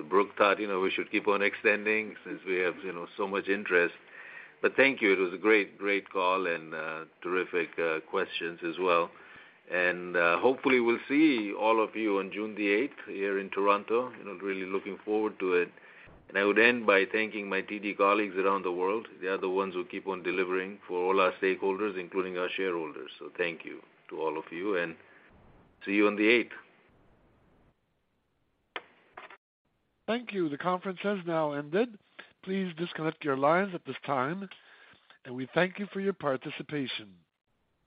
Brooke thought, you know, we should keep on extending since we have, you know, so much interest. Thank you. It was a great call and terrific questions as well. Hopefully we'll see all of you on June 8, here in Toronto, you know, really looking forward to it. I would end by thanking my TD colleagues around the world. They are the ones who keep on delivering for all our stakeholders, including our shareholders. Thank you to all of you, and see you on the eighth. Thank you. The conference has now ended. Please disconnect your lines at this time, and we thank you for your participation.